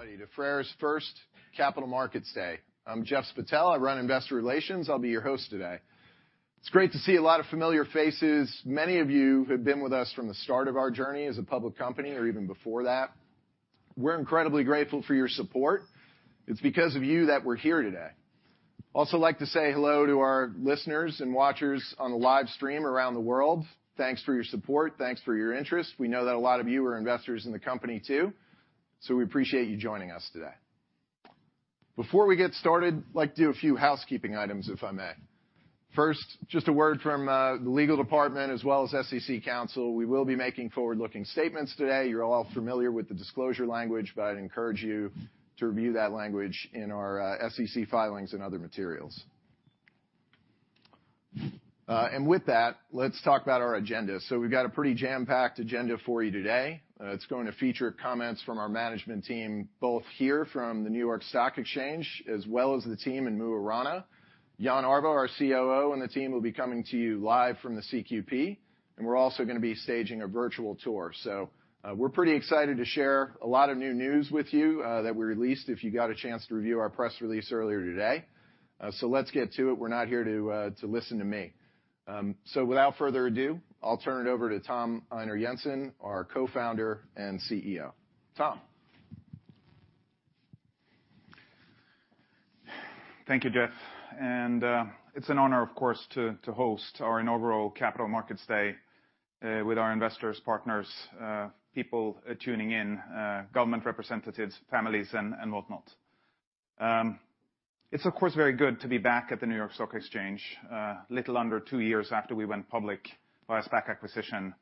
Everybody, to FREYR's First Capital Markets Day. I'm Jeff Spittel, I run investor relations. I'll be your host today. It's great to see a lot of familiar faces. Many of you have been with us from the start of our journey as a public company or even before that. We're incredibly grateful for your support. It's because of you that we're here today. Also, like to say hello to our listeners and watchers on the live stream around the world. Thanks for your support. Thanks for your interest. We know that a lot of you are investors in the company, too, so we appreciate you joining us today. Before we get started, like to do a few housekeeping items, if I may. First, just a word from the legal department as well as SEC counsel. We will be making forward-looking statements today. You're all familiar with the disclosure language, but I'd encourage you to review that language in our SEC filings and other materials. With that, let's talk about our agenda. We've got a pretty jam-packed agenda for you today. It's going to feature comments from our management team, both here from the New York Stock Exchange, as well as the team in Mo i Rana. Jan Arve, our COO, and the team will be coming to you live from the CQP, and we're also gonna be staging a virtual tour. We're pretty excited to share a lot of new news with you that we released, if you got a chance to review our press release earlier today. Let's get to it. We're not here to listen to me. Without further ado, I'll turn it over to Tom Einar Jensen, our co-founder and CEO. Tom? Thank you, Jeff. It's an honor, of course, to host our inaugural Capital Markets Day, with our investors, partners, people tuning in, government representatives, families, and whatnot. It's, of course, very good to be back at the New York Stock Exchange, little under two years after we went public via SPAC acquisition,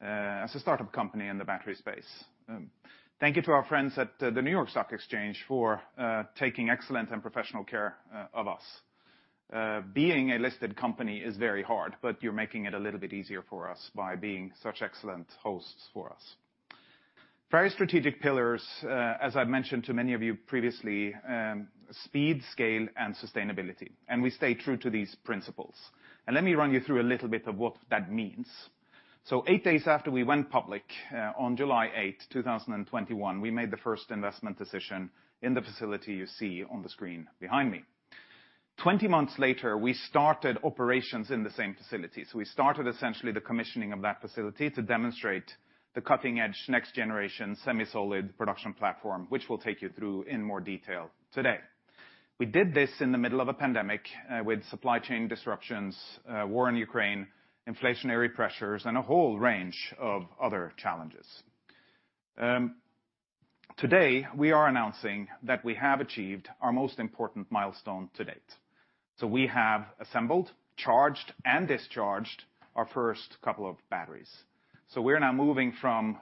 as a startup company in the battery space. Thank you to our friends at the New York Stock Exchange for taking excellent and professional care of us. Being a listed company is very hard, you're making it a little bit easier for us by being such excellent hosts for us. Very strategic pillars, as I've mentioned to many of you previously, speed, scale, and sustainability, we stay true to these principles. Let me run you through a little bit of what that means. Eight days after we went public, on July 8, 2021, we made the first investment decision in the facility you see on the screen behind me. In 20 months later, we started operations in the same facility. We started essentially the commissioning of that facility to demonstrate the cutting-edge, next-generation, SemiSolid production platform, which we'll take you through in more detail today. We did this in the middle of a pandemic, with supply chain disruptions, war in Ukraine, inflationary pressures, and a whole range of other challenges. Today, we are announcing that we have achieved our most important milestone to date. We have assembled, charged, and discharged our first couple of batteries. We're now moving from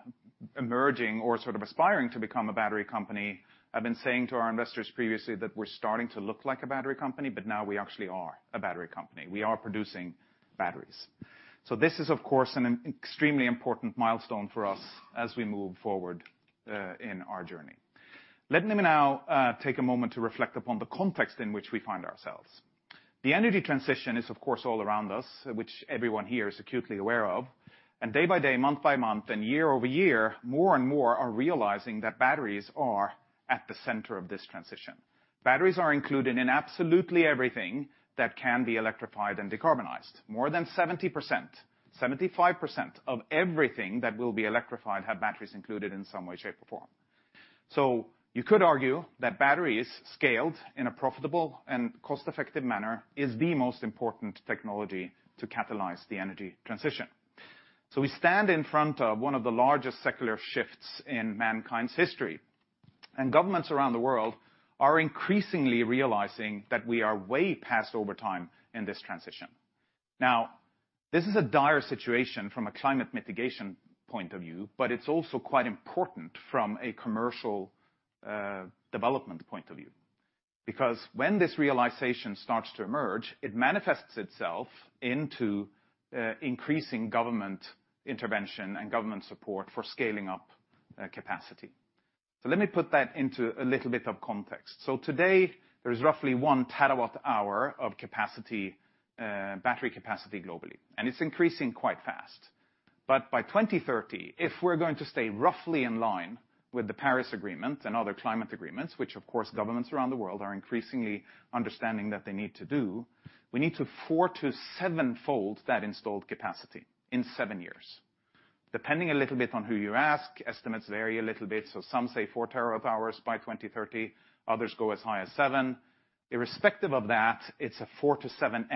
emerging or sort of aspiring to become a battery company. I've been saying to our investors previously that we're starting to look like a battery company, now we actually are a battery company. We are producing batteries. This is, of course, an extremely important milestone for us as we move forward in our journey. Let me now take a moment to reflect upon the context in which we find ourselves. The energy transition is, of course, all around us, which everyone here is acutely aware of. Day by day, month by month, and year-over-year, more and more are realizing that batteries are at the center of this transition. Batteries are included in absolutely everything that can be electrified and decarbonized. More than 70%, 75% of everything that will be electrified have batteries included in some way, shape, or form. You could argue that batteries scaled in a profitable and cost-effective manner is the most important technology to catalyze the energy transition. We stand in front of one of the largest secular shifts in mankind's history, and governments around the world are increasingly realizing that we are way past over time in this transition. This is a dire situation from a climate mitigation point of view, but it's also quite important from a commercial development point of view, because when this realization starts to emerge, it manifests itself into increasing government intervention and government support for scaling up capacity. Let me put that into a little bit of context. Today, there is roughly 1 TWh of capacity, battery capacity globally, and it's increasing quite fast. By 2030, if we're going to stay roughly in line with the Paris Agreement and other climate agreements, which of course, governments around the world are increasingly understanding that they need to do, we need to four to seven-fold that installed capacity in seven years. Depending a little bit on who you ask, estimates vary a little bit, some say 4 TWh by 2030, others go as high as 7 TWh. Irrespective of that, it's a 4x-7x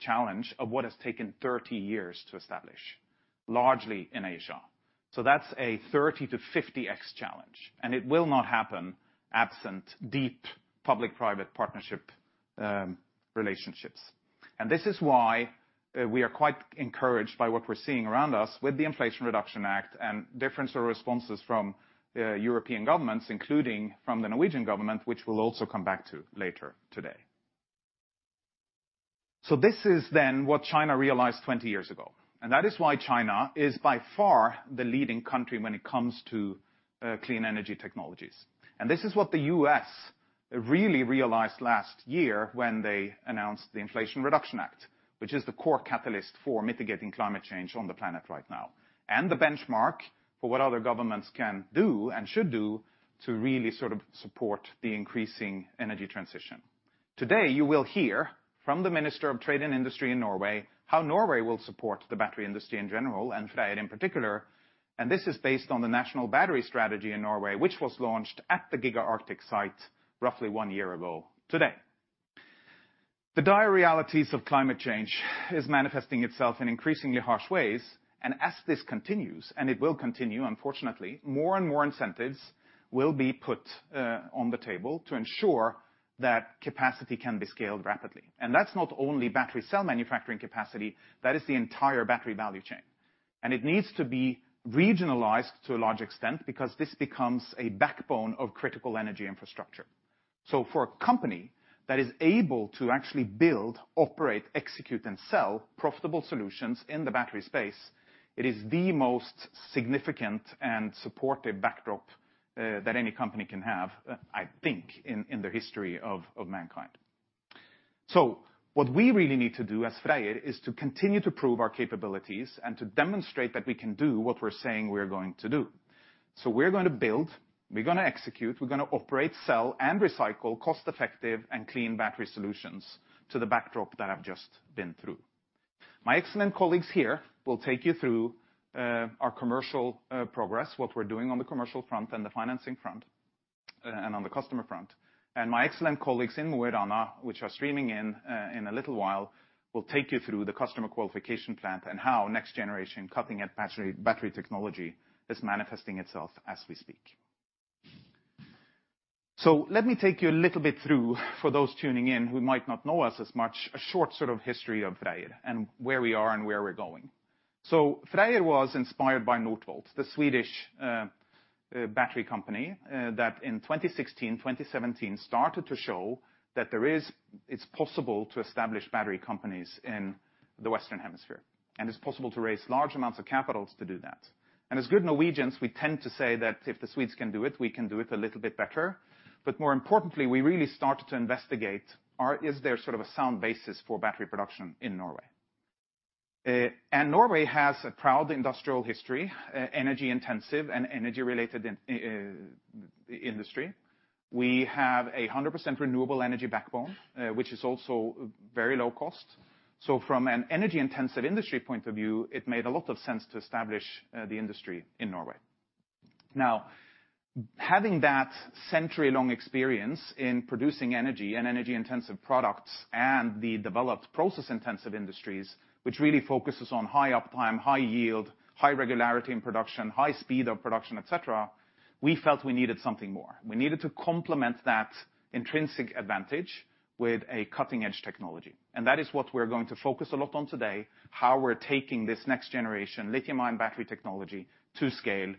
challenge of what has taken 30 years to establish, largely in Asia. That's a 30x-50x challenge, and it will not happen absent deep public-private partnership relationships. This is why we are quite encouraged by what we're seeing around us with the Inflation Reduction Act and different responses from European governments, including from the Norwegian government, which we'll also come back to later today. This is then what China realized 20 years ago, and that is why China is by far the leading country when it comes to clean energy technologies. This is what the U.S. really realized last year when they announced the Inflation Reduction Act, which is the core catalyst for mitigating climate change on the planet right now, and the benchmark for what other governments can do and should do to really sort of support the increasing energy transition. Today, you will hear from the Minister of Trade and Industry in Norway, how Norway will support the battery industry in general and FREYR in particular, and this is based on the national battery strategy in Norway, which was launched at the Giga Arctic site roughly one year ago today. The dire realities of climate change is manifesting itself in increasingly harsh ways, and as this continues, and it will continue, unfortunately, more and more incentives will be put on the table to ensure that capacity can be scaled rapidly. That's not only battery cell manufacturing capacity, that is the entire battery value chain. It needs to be regionalized to a large extent because this becomes a backbone of critical energy infrastructure. For a company that is able to actually build, operate, execute, and sell profitable solutions in the battery space, it is the most significant and supportive backdrop that any company can have in the history of mankind. What we really need to do as FREYR is to continue to prove our capabilities and to demonstrate that we can do what we're saying we are going to do. We're going to build, we're gonna execute, we're gonna operate, sell, and recycle cost-effective and clean battery solutions to the backdrop that I've just been through. My excellent colleagues here will take you through our commercial progress, what we're doing on the commercial front and the financing front, and on the customer front. My excellent colleagues in Mo i Rana, which are streaming in a little while, will take you through the Customer Qualification Plant and how next-generation cutting-edge battery technology is manifesting itself as we speak. Let me take you a little bit through, for those tuning in who might not know us as much, a short sort of history of FREYR and where we are and where we're going. FREYR was inspired by Northvolt, the Swedish battery company, that in 2016, 2017, started to show that it's possible to establish battery companies in the Western Hemisphere, and it's possible to raise large amounts of capitals to do that. As good Norwegians, we tend to say that if the Swedes can do it, we can do it a little bit better. More importantly, we really started to investigate, is there sort of a sound basis for battery production in Norway? Norway has a proud industrial history, energy-intensive and energy-related industry. We have a 100% renewable energy backbone, which is also very low cost. From an energy-intensive industry point of view, it made a lot of sense to establish the industry in Norway. Now, having that century-long experience in producing energy and energy-intensive products and the developed process-intensive industries, which really focuses on high uptime, high yield, high regularity in production, high speed of production, etc., we felt we needed something more. We needed to complement that intrinsic advantage with a cutting-edge technology. That is what we're going to focus a lot on today, how we're taking this next generation lithium-ion battery technology to scale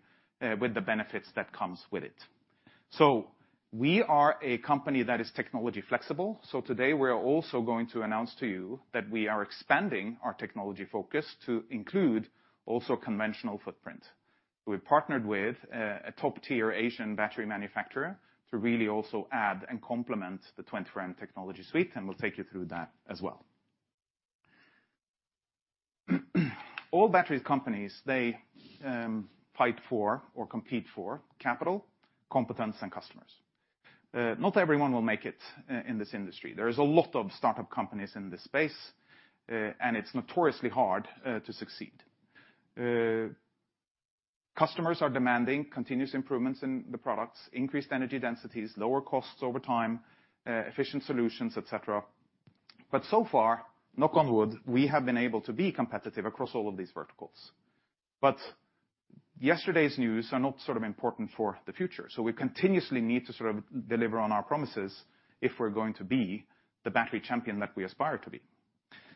with the benefits that comes with it. We are a company that is technology flexible, so today we are also going to announce to you that we are expanding our technology focus to include also conventional footprint. We've partnered with a top-tier Asian battery manufacturer to really also add and complement the 24M technology suite, and we'll take you through that as well. All battery companies, they fight for or compete for capital, competence, and customers. Not everyone will make it in this industry. There is a lot of startup companies in this space, and it's notoriously hard to succeed. Customers are demanding continuous improvements in the products, increased energy densities, lower costs over time, efficient solutions, etc.. So far, knock on wood, we have been able to be competitive across all of these verticals. Yesterday's news are not sort of important for the future, so we continuously need to sort of deliver on our promises if we're going to be the battery champion that we aspire to be.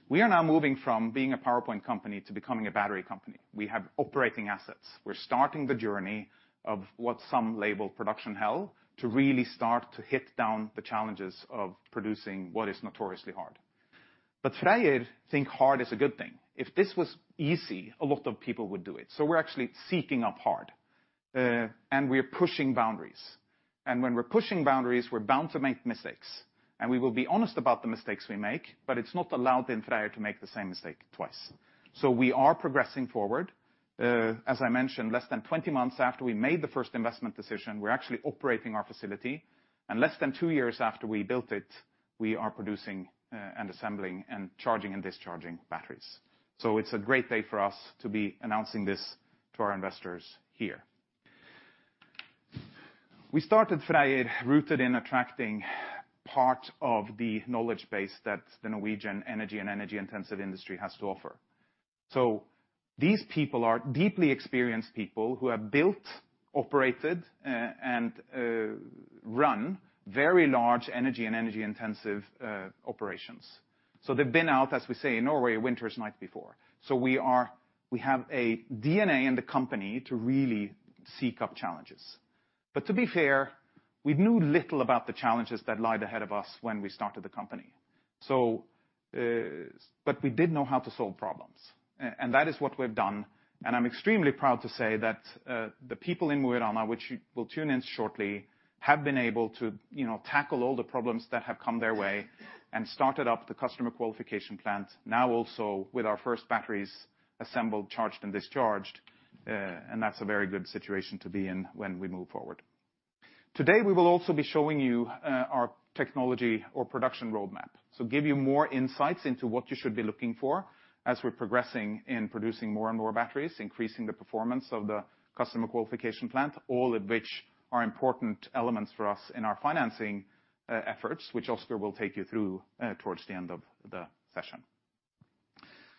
We are now moving from being a PowerPoint company to becoming a battery company. We have operating assets. We're starting the journey of what some label production hell to really start to hit down the challenges of producing what is notoriously hard. FREYR think hard is a good thing. If this was easy, a lot of people would do it, so we're actually seeking up hard, and we are pushing boundaries. When we're pushing boundaries, we're bound to make mistakes, and we will be honest about the mistakes we make, but it's not allowed in FREYR to make the same mistake twice. We are progressing forward. As I mentioned, less than 20 months after we made the first investment decision, we're actually operating our facility. Less than two years after we built it, we are producing, assembling, and charging and discharging batteries. It's a great day for us to be announcing this to our investors here. We started FREYR rooted in attracting part of the knowledge base that the Norwegian energy and energy-intensive industry has to offer. These people are deeply experienced people who have built, operated, and run very large energy and energy-intensive operations. They've been out, as we say in Norway, winters night before. We have a DNA in the company to really seek up challenges. To be fair, we knew little about the challenges that lied ahead of us when we started the company. But we did know how to solve problems, and that is what we've done, and I'm extremely proud to say that the people in Mo i Rana, which you will tune in shortly, have been able to, you know, tackle all the problems that have come their way and started up the Customer Qualification Plant, now also with our first batteries assembled, charged, and discharged, and that's a very good situation to be in when we move forward. Today, we will also be showing you, our technology or production roadmap, so give you more insights into what you should be looking for as we're progressing in producing more and more batteries, increasing the performance of the Customer Qualification Plant, all of which are important elements for us in our financing, efforts, which Oskar will take you through, towards the end of the session.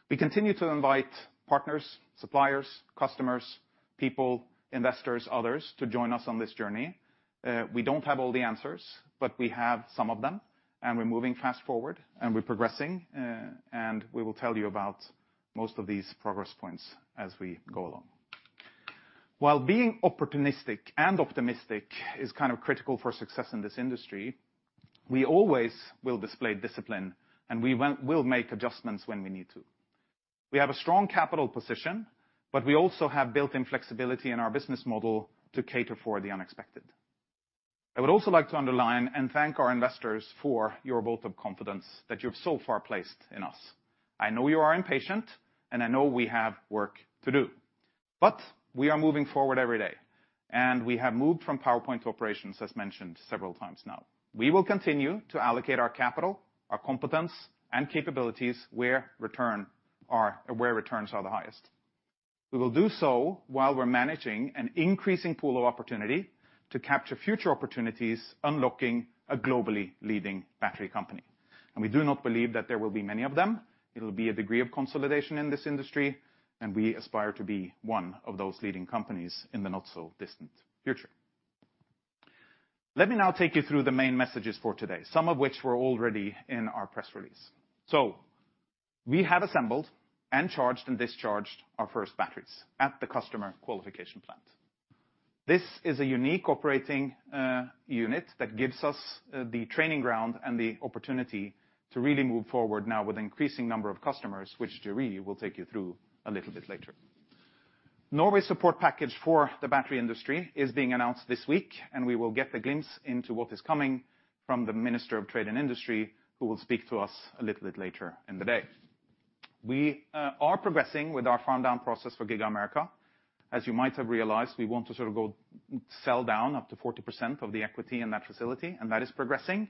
We continue to invite partners, suppliers, customers, people, investors, others to join us on this journey. We don't have all the answers, but we have some of them, and we're moving fast forward, and we're progressing, and we will tell you about most of these progress points as we go along. While being opportunistic and optimistic is kind of critical for success in this industry, we always will display discipline, and we'll make adjustments when we need to. We have a strong capital position, but we also have built-in flexibility in our business model to cater for the unexpected. I would also like to underline and thank our investors for your vote of confidence that you've so far placed in us. I know you are impatient, and I know we have work to do, but we are moving forward every day. We have moved from PowerPoint to operations, as mentioned several times now. We will continue to allocate our capital, our competence, and capabilities where returns are the highest. We will do so while we're managing an increasing pool of opportunity to capture future opportunities, unlocking a globally leading battery company. We do not believe that there will be many of them. It'll be a degree of consolidation in this industry, and we aspire to be one of those leading companies in the not-so-distant future. Let me now take you through the main messages for today, some of which were already in our press release. We have assembled and charged and discharged our first batteries at the Customer Qualification Plant. This is a unique operating unit that gives us the training ground and the opportunity to really move forward now with an increasing number of customers, which Jeremy will take you through a little bit later. Norway's support package for the battery industry is being announced this week, and we will get a glimpse into what is coming from the Minister of Trade and Industry, who will speak to us a little bit later in the day. We are progressing with our farm down process for Giga America. As you might have realized, we want to sort of go sell down up to 40% of the equity in that facility, and that is progressing.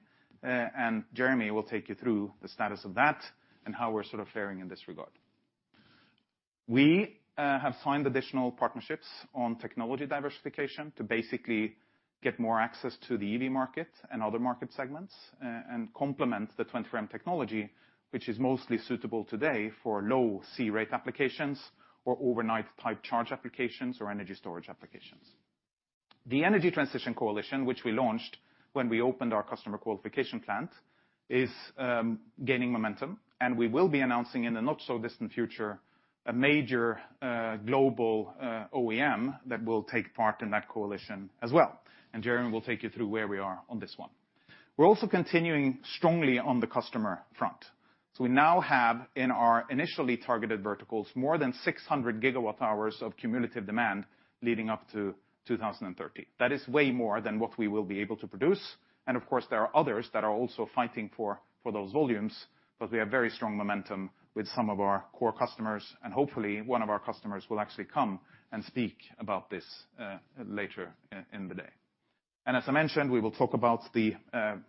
Jeremy will take you through the status of that and how we're sort of faring in this regard. We have signed additional partnerships on technology diversification to basically get more access to the EV market and other market segments and complement the 24M technology, which is mostly suitable today for low C-rate applications or overnight type charge applications or energy storage applications. The Energy Transition Coalition, which we launched when we opened our Customer Qualification Plant, is gaining momentum, and we will be announcing in the not-so-distant future a major global OEM that will take part in that coalition as well. Jeremy will take you through where we are on this one. We're also continuing strongly on the customer front. We now have, in our initially targeted verticals, more than 600 GWh of cumulative demand leading up to 2030. That is way more than what we will be able to produce, and of course, there are others that are also fighting for those volumes, but we have very strong momentum with some of our core customers, and hopefully, one of our customers will actually come and speak about this later in the day. As I mentioned, we will talk about the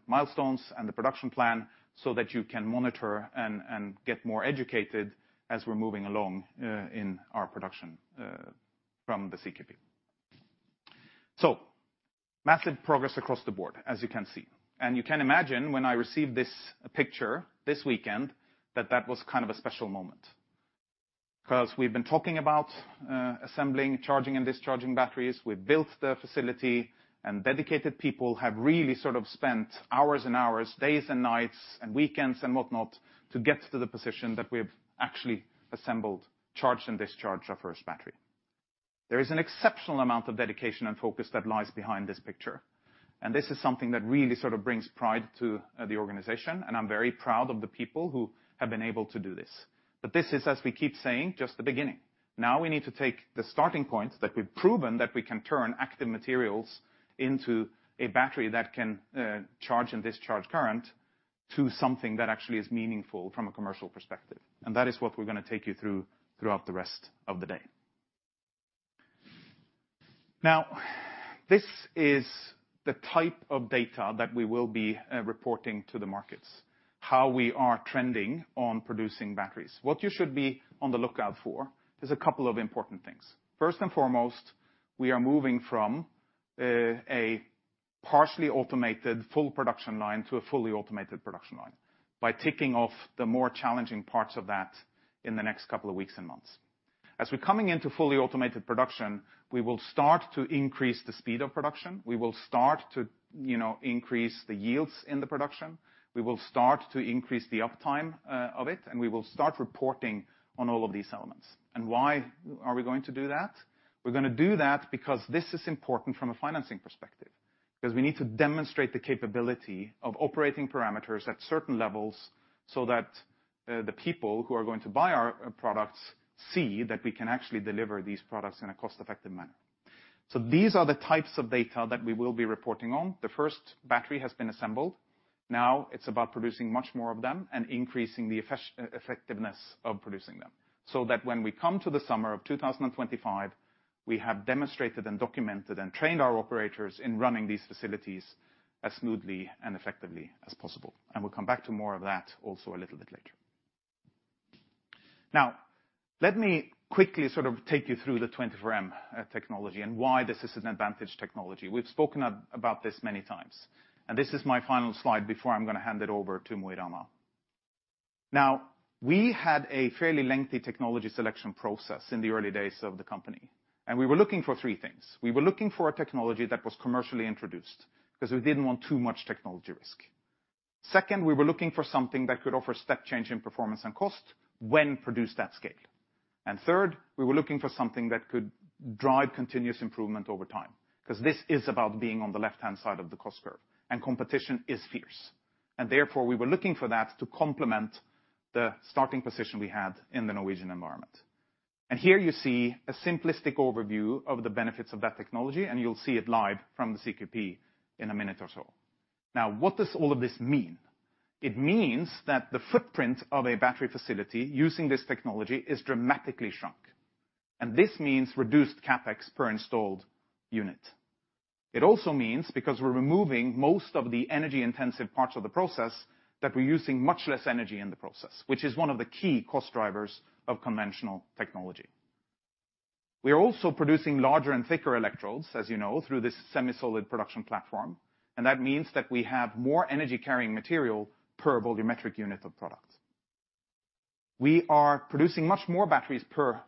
milestones and the production plan so that you can monitor and get more educated as we're moving along in our production from the CQP. Massive progress across the board, as you can see, and you can imagine when I received this picture this weekend, that that was kind of a special moment. We've been talking about assembling, charging, and discharging batteries. We've built the facility, and dedicated people have really sort of spent hours and hours, days and nights, and weekends and whatnot, to get to the position that we've actually assembled, charged, and discharged our first battery. There is an exceptional amount of dedication and focus that lies behind this picture, and this is something that really sort of brings pride to the organization, and I'm very proud of the people who have been able to do this. This is, as we keep saying, just the beginning. We need to take the starting point that we've proven that we can turn active materials into a battery that can charge and discharge current to something that actually is meaningful from a commercial perspective. That is what we're gonna take you through throughout the rest of the day. This is the type of data that we will be reporting to the markets, how we are trending on producing batteries. What you should be on the lookout for. There's a couple of important things. First and foremost, we are moving from a partially automated full production line to a fully automated production line by ticking off the more challenging parts of that in the next couple of weeks and months. As we're coming into fully automated production, we will start to increase the speed of production. We will start to, you know, increase the yields in the production. We will start to increase the uptime of it, and we will start reporting on all of these elements. Why are we going to do that? We're gonna do that because this is important from a financing perspective. 'cause we need to demonstrate the capability of operating parameters at certain levels so that the people who are going to buy our products see that we can actually deliver these products in a cost-effective manner. These are the types of data that we will be reporting on. The first battery has been assembled. It's about producing much more of them and increasing the effectiveness of producing them, so that when we come to the summer of 2025, we have demonstrated and documented and trained our operators in running these facilities as smoothly and effectively as possible, and we'll come back to more of that also a little bit later. Let me quickly sort of take you through the 24M technology and why this is an advantage technology. We've spoken about this many times, and this is my final slide before I'm gonna hand it over to Mo i Rana. We had a fairly lengthy technology selection process in the early days of the company, and we were looking for three things. We were looking for a technology that was commercially introduced, 'cause we didn't want too much technology risk. Second, we were looking for something that could offer step change in performance and cost when produced at scale. Third, we were looking for something that could drive continuous improvement over time, because this is about being on the left-hand side of the cost curve, and competition is fierce, and therefore, we were looking for that to complement the starting position we had in the Norwegian environment. Here you see a simplistic overview of the benefits of that technology, and you'll see it live from the CQP in a minute or so. Now, what does all of this mean? It means that the footprint of a battery facility using this technology is dramatically shrunk, and this means reduced CapEx per installed unit. It also means, because we're removing most of the energy-intensive parts of the process, that we're using much less energy in the process, which is one of the key cost drivers of conventional technology. We are also producing larger and thicker electrodes, as you know, through this SemiSolid production platform. That means that we have more energy-carrying material per volumetric unit of product. We are producing much more batteries per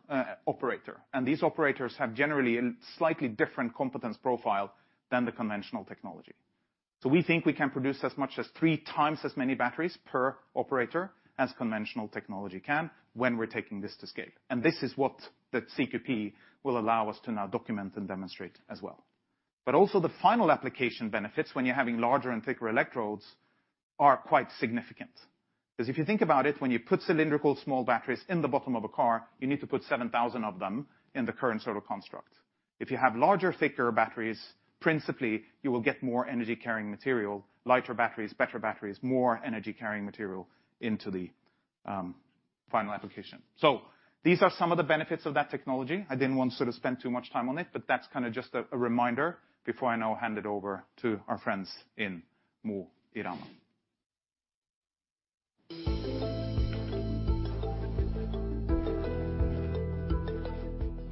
operator. These operators have generally a slightly different competence profile than the conventional technology. We think we can produce as much as 3x as many batteries per operator as conventional technology can when we're taking this to scale. This is what the CQP will allow us to now document and demonstrate as well. Also the final application benefits when you're having larger and thicker electrodes are quite significant. If you think about it, when you put cylindrical small batteries in the bottom of a car, you need to put 7,000 of them in the current sort of construct. If you have larger, thicker batteries, principally, you will get more energy-carrying material, lighter batteries, better batteries, more energy-carrying material into the final application. These are some of the benefits of that technology. I didn't want to sort of spend too much time on it, but that's kind of just a reminder before I now hand it over to our friends in Mo i Rana.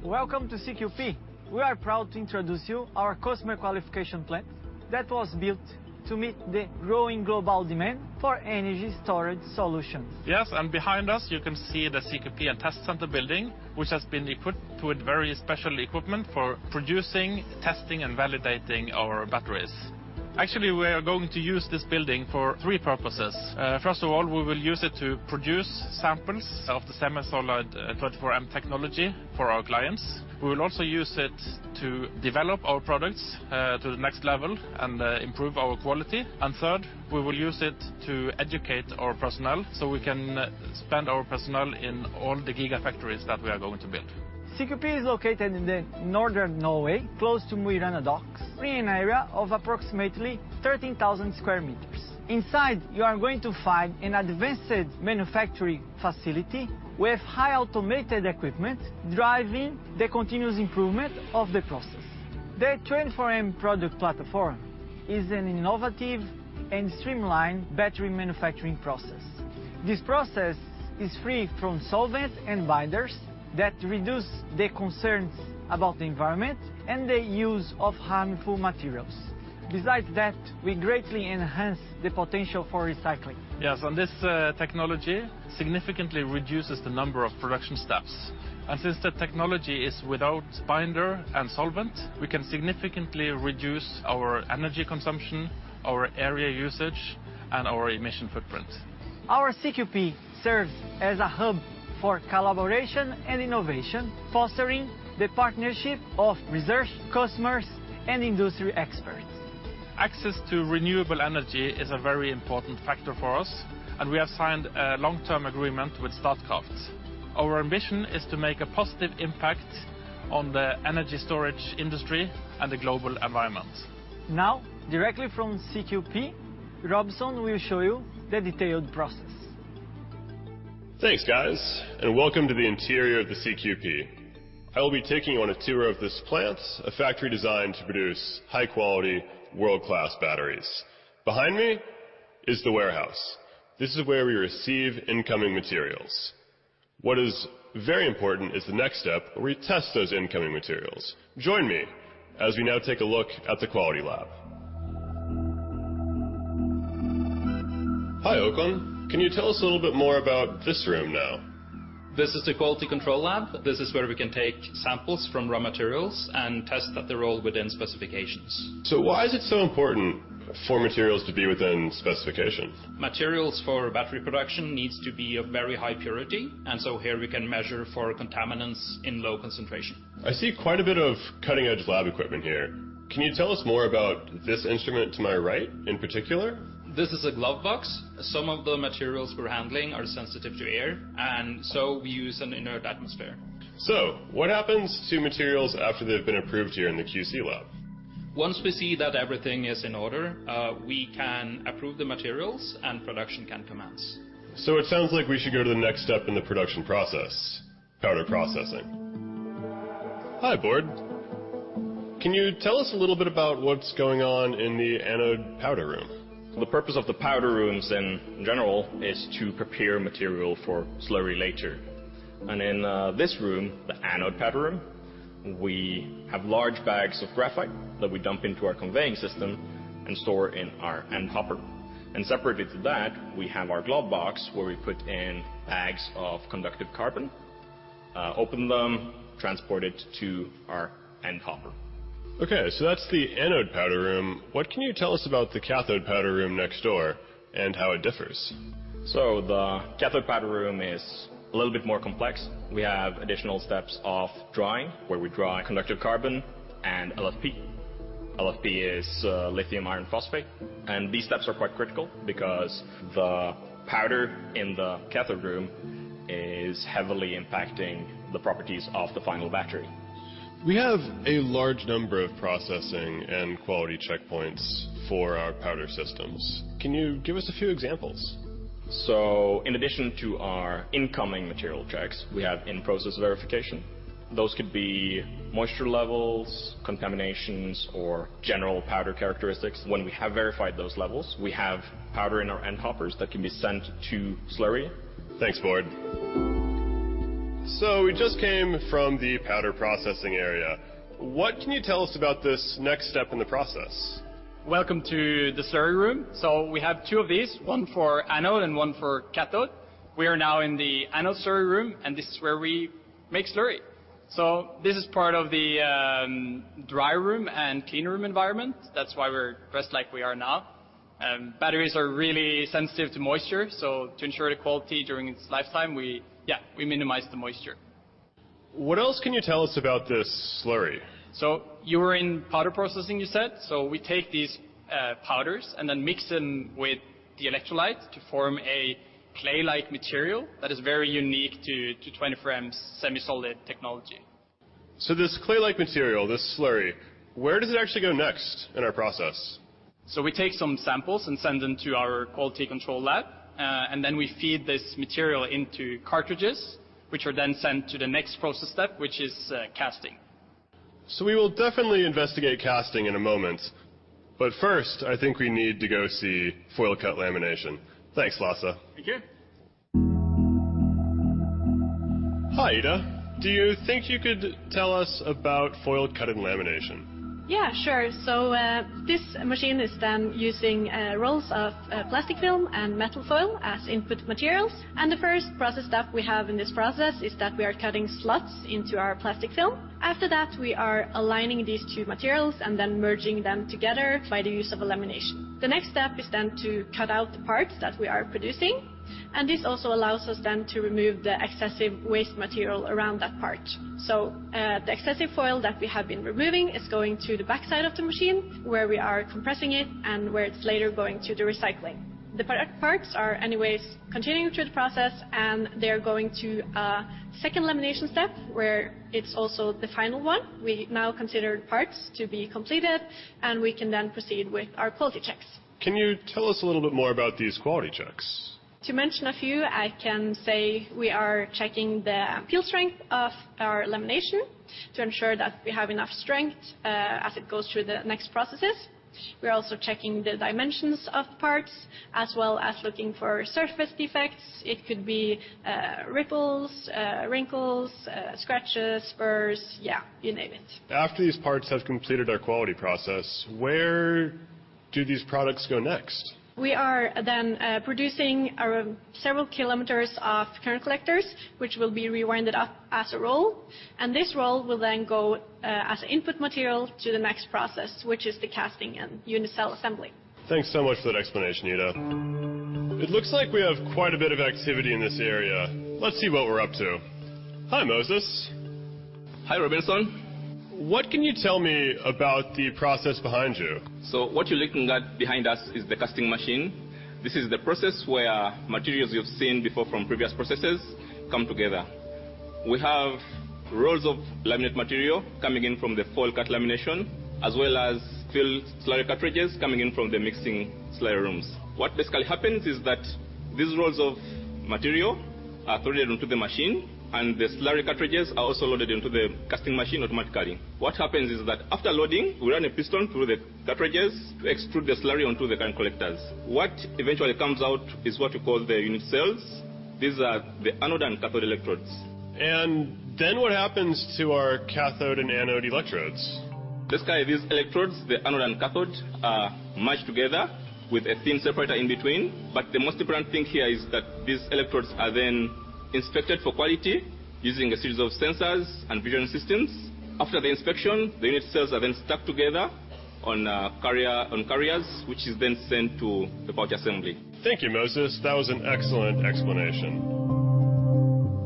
Welcome to CQP. We are proud to introduce you our Customer Qualification Plant that was built to meet the growing global demand for energy storage solutions. Yes, behind us, you can see the CQP and Test Center building, which has been equipped with very special equipment for producing, testing, and validating our batteries. Actually, we are going to use this building for three purposes. First of all, we will use it to produce samples of the SemiSolid 24M technology for our clients. We will also use it to develop our products to the next level and improve our quality. Third, we will use it to educate our personnel, so we can spend our personnel in all the gigafactories that we are going to build. CQP is located in the northern Norway, close to Mo i Rana docks, in an area of approximately 13,000 sq m. Inside, you are going to find an advanced manufacturing facility with high automated equipment, driving the continuous improvement of the process. The 24M product platform is an innovative and streamlined battery manufacturing process. This process is free from solvents and binders that reduce the concerns about the environment and the use of harmful materials. Besides that, we greatly enhance the potential for recycling. Yes, and this technology significantly reduces the number of production steps. Since the technology is without binder and solvent, we can significantly reduce our energy consumption, our area usage, and our emission footprint. Our CQP serves as a hub for collaboration and innovation, fostering the partnership of research, customers, and industry experts. Access to renewable energy is a very important factor for us, and we have signed a long-term agreement with Statkraft. Our ambition is to make a positive impact on the energy storage industry and the global environment. Directly from CQP, Robinson will show you the detailed process. Thanks guys, welcome to the interior of the CQP. I will be taking you on a tour of this plant, a factory designed to produce high-quality, world-class batteries. Behind me is the warehouse. This is where we receive incoming materials. What is very important is the next step, where we test those incoming materials. Join me as we now take a look at the quality lab. Hi Okan. Can you tell us a little bit more about this room now? This is the quality control lab. This is where we can take samples from raw materials and test that they're all within specifications. Why is it so important for materials to be within specifications? Materials for battery production needs to be of very high purity. Here we can measure for contaminants in low concentration. I see quite a bit of cutting-edge lab equipment here. Can you tell us more about this instrument to my right in particular? This is a glove box. Some of the materials we're handling are sensitive to air. We use an inert atmosphere. What happens to materials after they've been approved here in the QC lab? Once we see that everything is in order, we can approve the materials, and production can commence. It sounds like we should go to the next step in the production process, powder processing. Hi, Bård. Can you tell us a little bit about what's going on in the anode powder room? The purpose of the powder rooms in general is to prepare material for slurry later. In this room, the anode powder room, we have large bags of graphite that we dump into our conveying system and store in our end hopper. Separate to that, we have our glove box, where we put in bags of conductive carbon, open them, transport it to our end hopper. That's the anode powder room. What can you tell us about the cathode powder room next door and how it differs? The cathode powder room is a little bit more complex. We have additional steps of drying, where we dry conductive carbon and LFP. LFP is lithium iron phosphate, and these steps are quite critical because the powder in the cathode room is heavily impacting the properties of the final battery. We have a large number of processing and quality checkpoints for our powder systems. Can you give us a few examples? In addition to our incoming material checks, we have in-process verification. Those could be moisture levels, contaminations, or general powder characteristics. When we have verified those levels, we have powder in our end hoppers that can be sent to slurry. Thanks, Bård. We just came from the powder processing area. What can you tell us about this next step in the process? Welcome to the slurry room. We have two of these, one for anode and one for cathode. We are now in the anode slurry room, and this is where we make slurry. This is part of the dry room and clean room environment. That's why we're dressed like we are now. Batteries are really sensitive to moisture, so to ensure the quality during its lifetime, we minimize the moisture. What else can you tell us about this slurry? You were in powder processing, you said? We take these powders and then mix them with the electrolyte to form a clay-like material that is very unique to 24M's SemiSolid technology. This clay-like material, this slurry, where does it actually go next in our process? We take some samples and send them to our quality control lab, and then we feed this material into cartridges, which are then sent to the next process step, which is casting. We will definitely investigate casting in a moment, but first, I think we need to go see foil cut lamination. Thanks, Lasse. Thank you. Hi, Ida. Do you think you could tell us about foil cut and lamination? Yeah, sure. This machine is then using rolls of plastic film and metal foil as input materials. The first process step we have in this process is that we are cutting slots into our plastic film. After that, we are aligning these two materials and merging them together by the use of a lamination. The next step is to cut out the parts that we are producing. This also allows us to remove the excessive waste material around that part. The excessive foil that we have been removing is going to the backside of the machine, where we are compressing it and where it's later going to the recycling. The product parts are anyways continuing through the process. They're going to a second lamination step, where it's also the final one. We now consider the parts to be completed. We can then proceed with our quality checks. Can you tell us a little bit more about these quality checks? To mention a few, I can say we are checking the peel strength of our lamination to ensure that we have enough strength, as it goes through the next processes. We're also checking the dimensions of parts, as well as looking for surface defects. It could be ripples, wrinkles, scratches, spurs. Yeah, you name it. After these parts have completed our quality process, where do these products go next? We are producing several kilometers of current collectors, which will be rewinded up as a roll, and this roll will then go as input material to the next process, which is the casting and unicell assembly. Thanks so much for that explanation, Ida. It looks like we have quite a bit of activity in this area. Let's see what we're up to. Hi, Moses. Hi, Robinson. What can you tell me about the process behind you? What you're looking at behind us is the casting machine. This is the process where materials you've seen before from previous processes come together. We have rolls of laminate material coming in from the foil cut lamination, as well as filled slurry cartridges coming in from the mixing slurry rooms. What basically happens is that these rolls of material are loaded into the machine, and the slurry cartridges are also loaded into the casting machine automatically. What happens is that after loading, we run a piston through the cartridges to extrude the slurry onto the current collectors. What eventually comes out is what we call the unicells. These are the anode and cathode electrodes. What happens to our cathode and anode electrodes? Basically, these electrodes, the anode and cathode, are merged together with a thin separator in between. The most important thing here is that these electrodes are then inspected for quality using a series of sensors and vision systems. After the inspection, the unit cells are then stuck together on carriers, which is then sent to the pouch assembly. Thank you, Moses. That was an excellent explanation.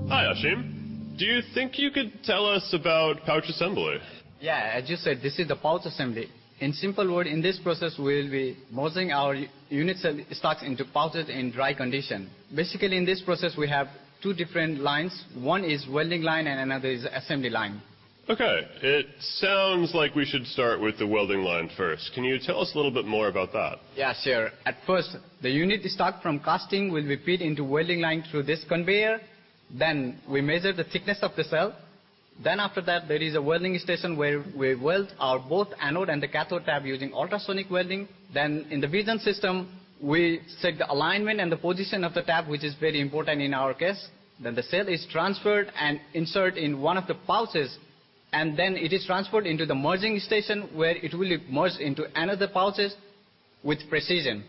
Hi, Ashim. Do you think you could tell us about pouch assembly? Yeah, as you said, this is the pouch assembly. In simple word, in this process, we'll be merging our unit cell stacks into pouches in dry condition. Basically, in this process, we have two different lines. One is welding line, and another is assembly line. It sounds like we should start with the welding line first. Can you tell us a little bit more about that? Yeah, sure. At first, the unit start from casting will be fed into welding line through this conveyor. We measure the thickness of the cell. After that, there is a welding station where we weld our both anode and the cathode tab using ultrasonic welding. In the vision system, we set the alignment and the position of the tab, which is very important in our case. The cell is transferred and insert in one of the pouches, and then it is transported into the merging station, where it will merge into another pouches with precision.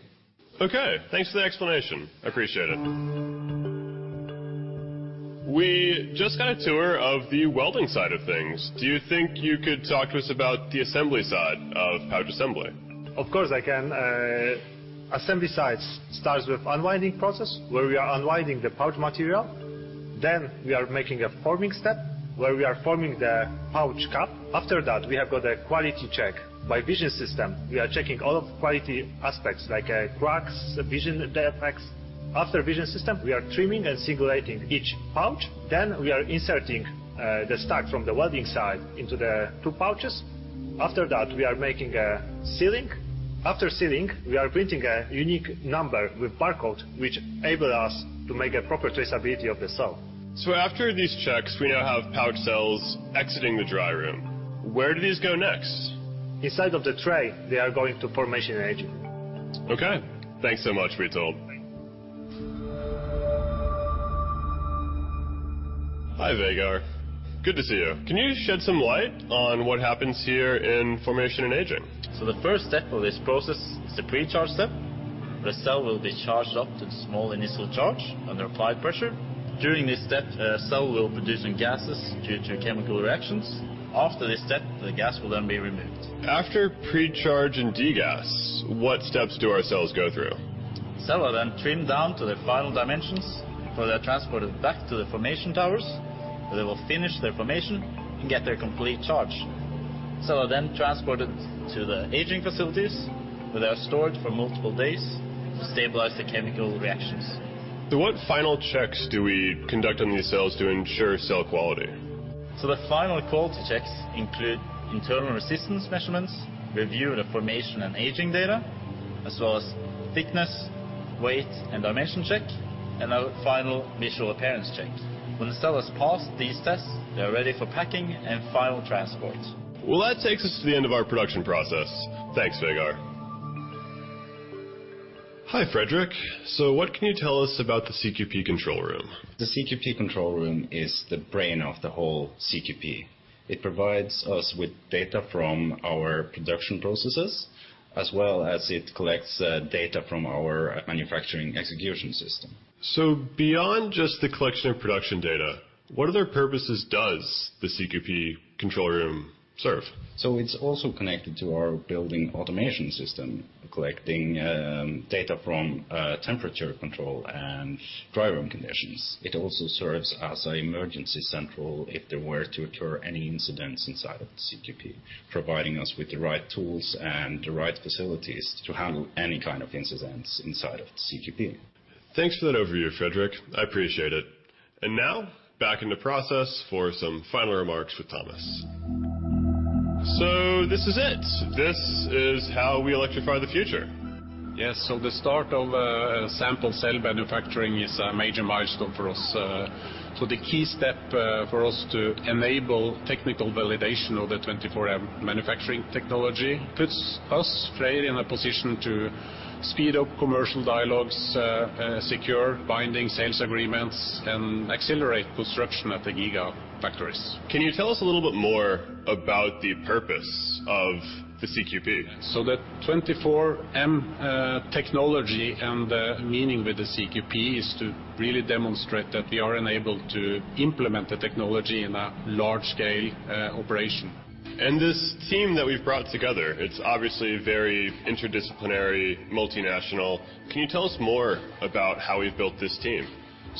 Okay, thanks for the explanation. Appreciate it. We just got a tour of the welding side of things. Do you think you could talk to us about the assembly side of pouch assembly? Of course, I can. Assembly side starts with unwinding process, where we are unwinding the pouch material. We are making a forming step, where we are forming the pouch cup. After that, we have got a quality check. By vision system, we are checking all of quality aspects, like, cracks, vision defects. After vision system, we are trimming and singulating each pouch. We are inserting the stack from the welding side into the two pouches. After that, we are making a sealing. After sealing, we are printing a unique number with barcode, which enable us to make a proper traceability of the cell. After these checks, we now have pouch cells exiting the dry room. Where do these go next? Inside of the tray, they are going to formation and aging. Okay. Thanks so much, Witold. Hi Vegard, good to see you. Can you shed some light on what happens here in formation and aging? The first step of this process is the pre-charge step. The cell will be charged up to the small initial charge under applied pressure. During this step, cell will produce some gases due to chemical reactions. After this step, the gas will then be removed. After pre-charge and degas, what steps do our cells go through? Cell are then trimmed down to their final dimensions, where they are transported back to the formation towers, where they will finish their formation and get their complete charge. Cell are then transported to the aging facilities, where they are stored for multiple days to stabilize the chemical reactions. What final checks do we conduct on these cells to ensure cell quality? The final quality checks include internal resistance measurements, review of the formation and aging data, as well as thickness, weight, and dimension check, and a final visual appearance check. When the cell has passed these tests, they are ready for packing and final transport. Well, that takes us to the end of our production process. Thanks Vegard. Hi Fredrik. What can you tell us about the CQP control room? The CQP control room is the brain of the whole CQP. It provides us with data from our production processes, as well as it collects data from our manufacturing execution system. Beyond just the collection of production data, what other purposes does the CQP control room serve? It's also connected to our building automation system, collecting data from temperature control and dry room conditions. It also serves as an emergency central if there were to occur any incidents inside of the CQP, providing us with the right tools and the right facilities to handle any kind of incidents inside of the CQP. Thanks for that overview, Fredrik. I appreciate it. Now, back in the process for some final remarks with Thomas. This is it. This is how we electrify the future. Yes, so the start of sample cell manufacturing is a major milestone for us. The key step for us to enable technical validation of the 24M manufacturing technology puts us straight in a position to speed up commercial dialogues, secure binding sales agreements, and accelerate construction at the gigafactories. Can you tell us a little bit more about the purpose of the CQP? The 24M technology and the meaning with the CQP is to really demonstrate that we are enabled to implement the technology in a large-scale operation. This team that we've brought together, it's obviously very interdisciplinary, multinational. Can you tell us more about how we've built this team?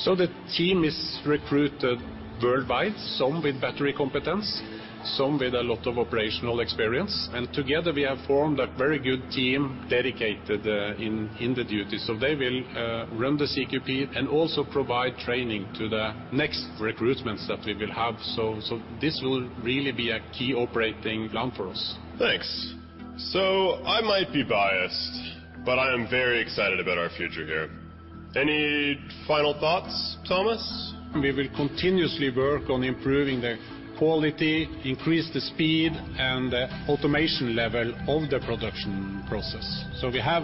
The team is recruited worldwide, some with battery competence, some with a lot of operational experience, and together, we have formed a very good team dedicated in the duty. They will run the CQP and also provide training to the next recruitments that we will have. This will really be a key operating plan for us. Thanks. I might be biased, but I am very excited about our future here. Any final thoughts, Thomas? We will continuously work on improving the quality, increase the speed, and the automation level of the production process. We have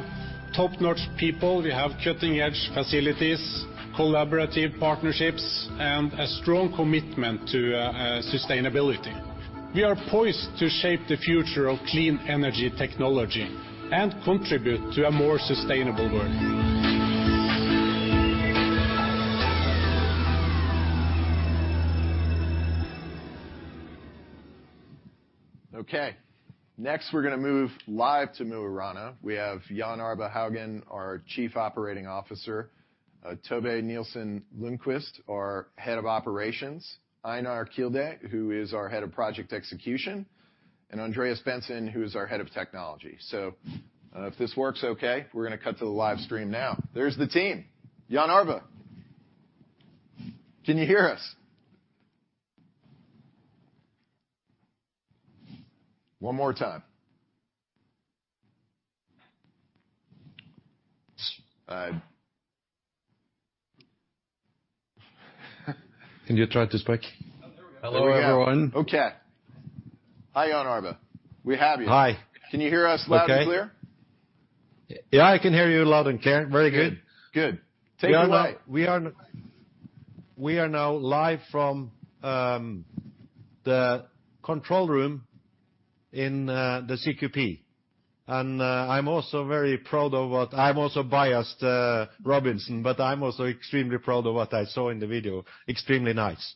top-notch people, we have cutting-edge facilities, collaborative partnerships, and a strong commitment to sustainability. We are poised to shape the future of clean energy technology and contribute to a more sustainable world. Next, we're gonna move live to Mo i Rana. We have Jan Arve Haugan, our Chief Operating Officer, Tove Nielsen Ljungquist, our Head of Operations, Einar Kilde, who is our Head of Project Execution, and Andreas Bentzen, who is our Head of Technology. If this works okay, we're gonna cut to the live stream now. There's the team. Jan Arve, can you hear us? One more time. Can you try to speak? There we go. Hello, everyone. Okay. Hi Jan Arve. We have you. Hi. Can you hear us? Okay clear? I can hear you loud and clear. Very good. Good. Take it away. We are now live from the control room in the CQP. I'm also biased, Robinson, I'm also extremely proud of what I saw in the video. Extremely nice.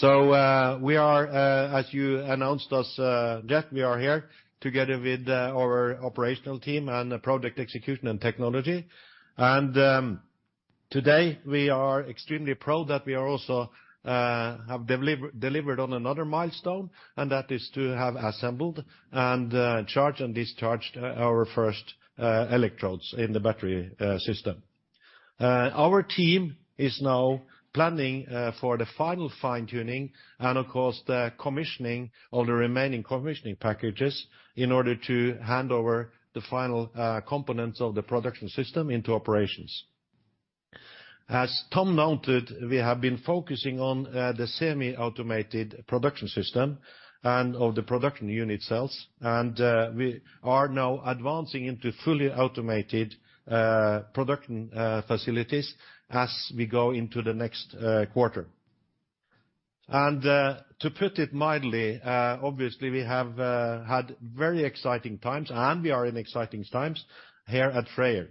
We are as you announced us, Jeff, we are here together with our operational team and the project execution and technology. Today, we are extremely proud that we have delivered on another milestone, and that is to have assembled and charged and discharged our first electrodes in the battery system. Our team is now planning for the final fine-tuning, and of course, the commissioning all the remaining commissioning packages in order to hand over the final components of the production system into operations. As Tom noted, we have been focusing on the semi-automated production system and of the production unicells, we are now advancing into fully automated production facilities as we go into the next quarter. To put it mildly, obviously, we have had very exciting times, and we are in exciting times here at FREYR.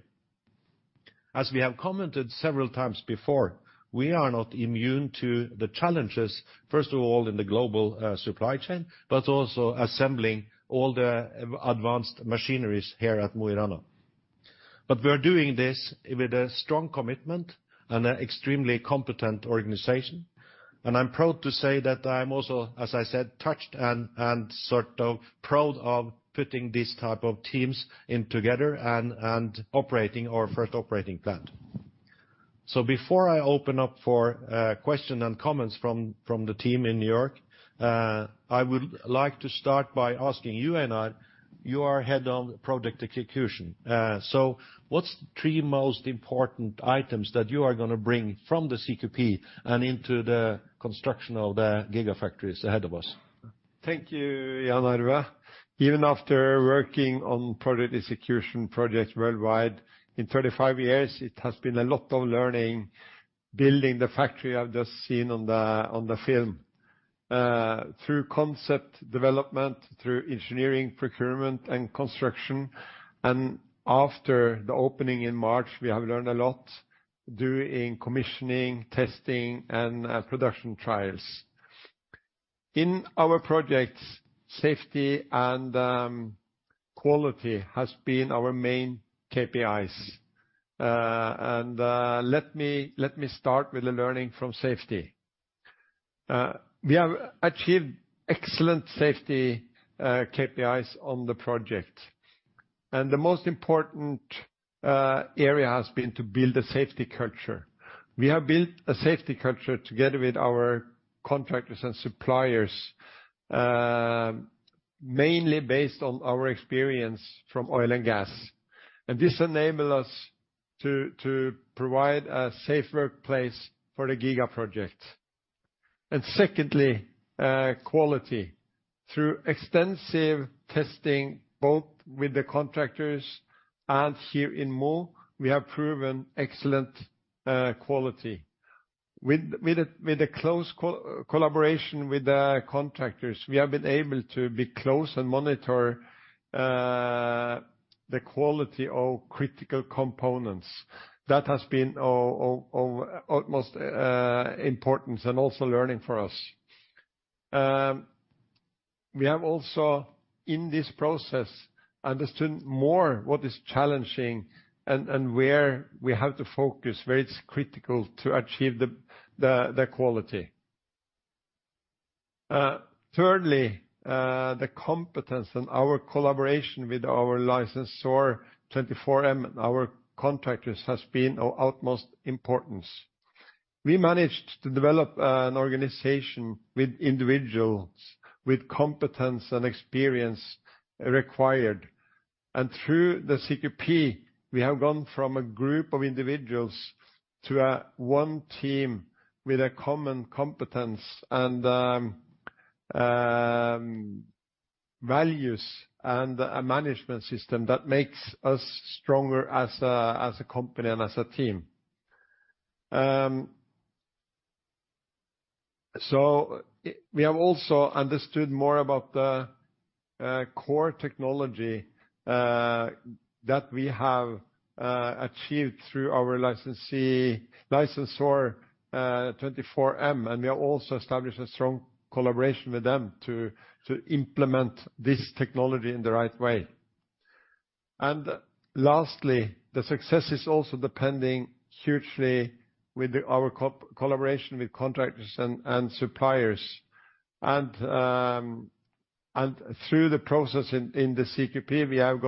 As we have commented several times before, we are not immune to the challenges, first of all, in the global supply chain, but also assembling all the advanced machineries here at Mo i Rana. We are doing this with a strong commitment and an extremely competent organization. I'm proud to say that I'm also, as I said, touched and sort of proud of putting these type of teams in together and operating our first operating plant. Before I open up for question and comments from the team in New York, I would like to start by asking you, Einar, you are Head of Project Execution. What's the three most important items that you are gonna bring from the CQP and into the construction of the gigafactories ahead of us? Thank you Jan Arve. Even after working on project execution projects worldwide in 35 years, it has been a lot of learning, building the factory I've just seen on the film. Through concept development, through engineering, procurement, and construction, after the opening in March, we have learned a lot doing commissioning, testing, and production trials. In our projects, safety and quality has been our main KPIs. Let me start with the learning from safety. We have achieved excellent safety KPIs on the project, the most important area has been to build a safety culture. We have built a safety culture together with our contractors and suppliers, mainly based on our experience from oil and gas, and this enable us to provide a safe workplace for the Giga project. Secondly, quality. Through extensive testing, both with the contractors and here in Mo, we have proven excellent quality. With a close collaboration with the contractors, we have been able to be close and monitor the quality of critical components. That has been of utmost importance and also learning for us. We have also, in this process, understood more what is challenging and where we have to focus, where it's critical to achieve the quality. Thirdly, the competence and our collaboration with our licensor, 24M, our contractors, has been of utmost importance. We managed to develop an organization with individuals with competence and experience required. Through the CQP, we have gone from a group of individuals to a one team with a common competence and values and a management system that makes us stronger as a company and as a team. We have also understood more about the core technology that we have achieved through our licensor, 24M, and we have also established a strong collaboration with them to implement this technology in the right way. Lastly, the success is also depending hugely with our collaboration with contractors and suppliers. Through the process in the CQP, we have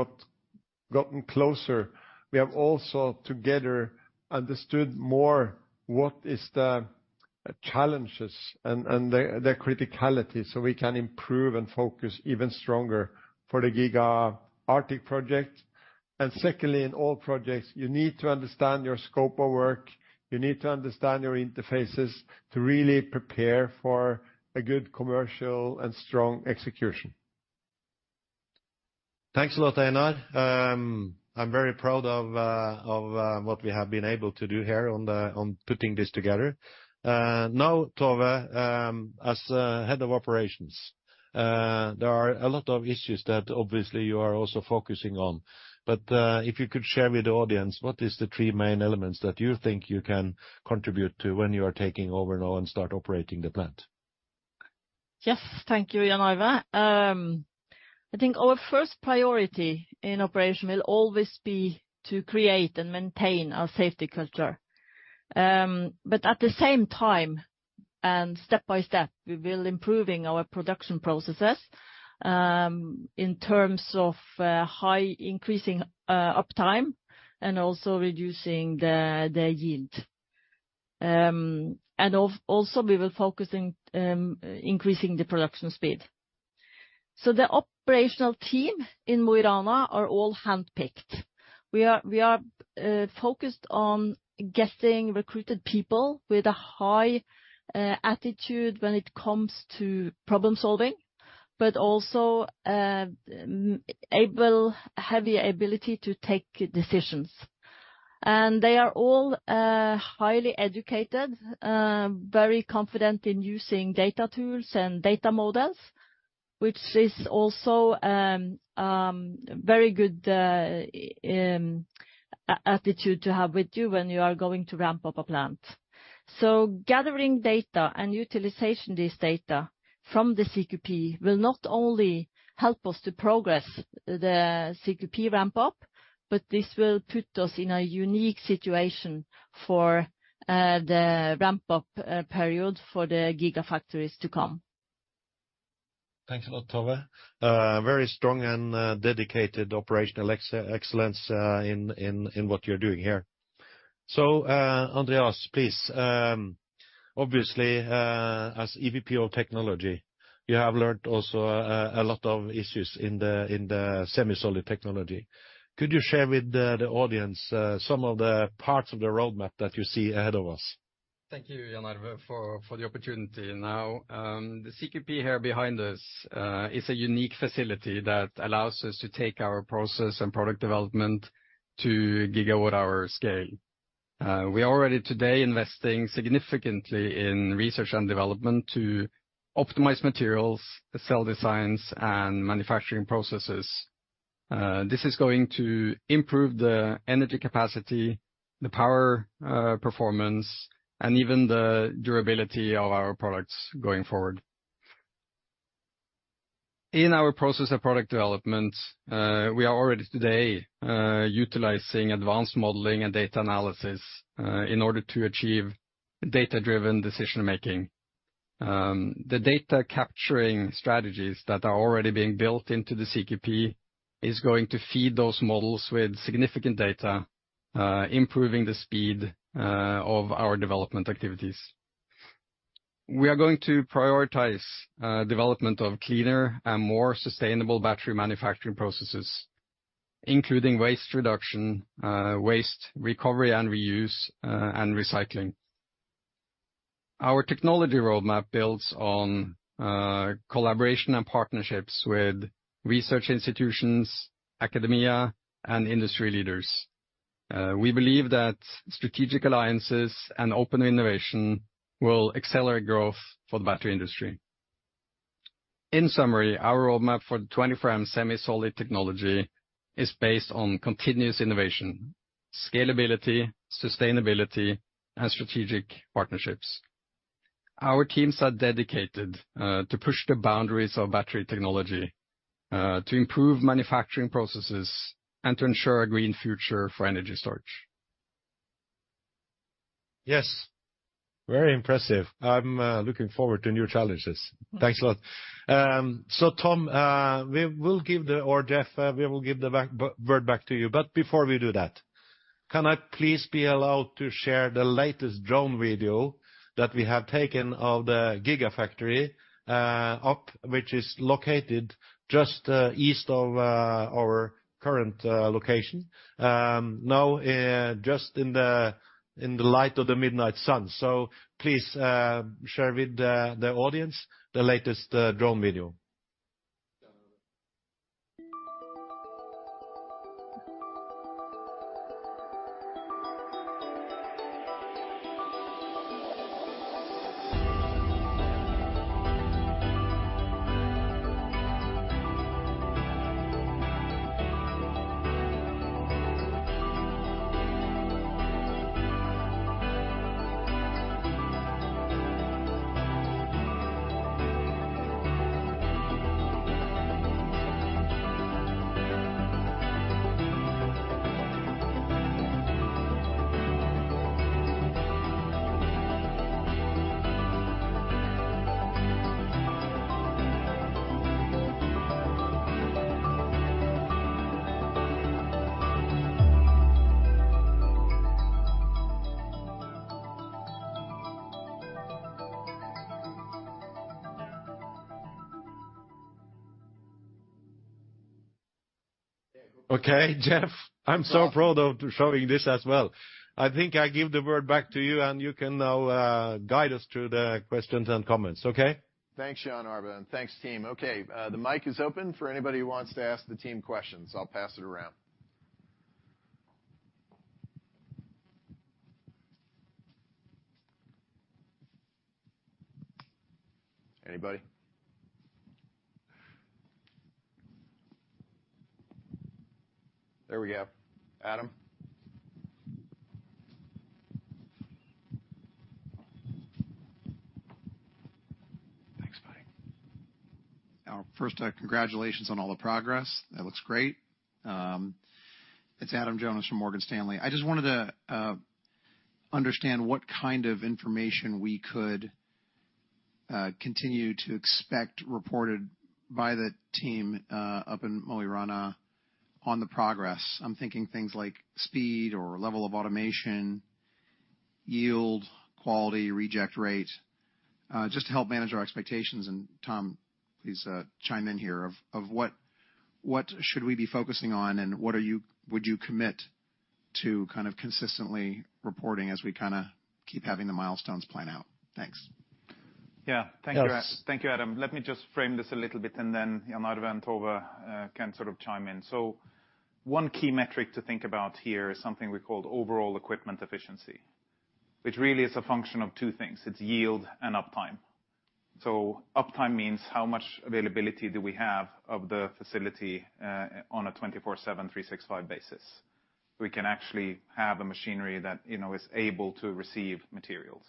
gotten closer. We have also, together, understood more what is the challenges and the criticality, so we can improve and focus even stronger for the Giga Arctic project. Secondly, in all projects, you need to understand your scope of work, you need to understand your interfaces to really prepare for a good commercial and strong execution. Thanks a lot, Einar. I'm very proud of what we have been able to do here on putting this together. Now, Tove, as Head of Operations, there are a lot of issues that obviously you are also focusing on, but if you could share with the audience, what is the three main elements that you think you can contribute to when you are taking over now and start operating the plant? Yes, thank you Jan Arve. I think our first priority in operation will always be to create and maintain our safety culture. At the same time, and step by step, we will improving our production processes in terms of high increasing uptime and also reducing the yield. Also, we will focus in increasing the production speed. The operational team in Mo i Rana are all handpicked. We are focused on getting recruited people with a high attitude when it comes to problem-solving, but also heavy ability to take decisions. They are all highly educated, very confident in using data tools and data models, which is also very good attitude to have with you when you are going to ramp up a plant. Gathering data and utilization this data from the CQP will not only help us to progress the CQP ramp-up, but this will put us in a unique situation for the ramp-up period for the gigafactories to come. Thanks a lot, Tove. Very strong and dedicated operational excellence in what you're doing here. Andreas, please, obviously, as EVP of Technology, you have learned also a lot of issues in the SemiSolid technology. Could you share with the audience some of the parts of the roadmap that you see ahead of us? Thank you Jan Arve, for the opportunity now. The CQP here behind us is a unique facility that allows us to take our process and product development to gigawatt-hour scale. We are already today investing significantly in research and development to optimize materials, cell designs, and manufacturing processes. This is going to improve the energy capacity, the power, performance, and even the durability of our products going forward. In our process of product development, we are already today utilizing advanced modeling and data analysis in order to achieve data-driven decision making. The data capturing strategies that are already being built into the CQP is going to feed those models with significant data, improving the speed of our development activities. We are going to prioritize development of cleaner and more sustainable battery manufacturing processes, including waste reduction, waste recovery and reuse, and recycling. Our technology roadmap builds on collaboration and partnerships with research institutions, academia, and industry leaders. We believe that strategic alliances and open innovation will accelerate growth for the battery industry. In summary, our roadmap for the 24M SemiSolid technology is based on continuous innovation, scalability, sustainability, and strategic partnerships. Our teams are dedicated to push the boundaries of battery technology to improve manufacturing processes, and to ensure a green future for energy storage. Yes, very impressive. I'm looking forward to new challenges. Thanks a lot. Jeff, we will give the word back to you, but before we do that, can I please be allowed to share the latest drone video that we have taken of the gigafactory up, which is located just east of our current location? Now, just in the light of the midnight sun. Please share with the audience the latest drone video. Jeff, I'm so proud of showing this as well. I think I give the word back to you, and you can now guide us through the questions and comments. Thanks Jan Arve and thanks, team. Okay the mic is open for anybody who wants to ask the team questions. I'll pass it around. Anybody? There we go, Adam. First, congratulations on all the progress. That looks great. It's Adam Jonas from Morgan Stanley. I just wanted to understand what kind of information we could continue to expect reported by the team up in Mo i Rana on the progress. I'm thinking things like speed or level of automation, yield, quality, reject rate, just to help manage our expectations. Tom, please chime in here, of what should we be focusing on, and would you commit to kind of consistently reporting as we kind of keep having the milestones plan out? Thanks. Yeah. Yes. Thank you, Adam. Let me just frame this a little bit, and then Jan Arve and Tove can sort of chime in. One key metric to think about here is something we call overall equipment efficiency, which really is a function of two things: it's yield and uptime. Uptime means how much availability do we have of the facility on a 24/7, 365 basis? We can actually have a machinery that, you know, is able to receive materials.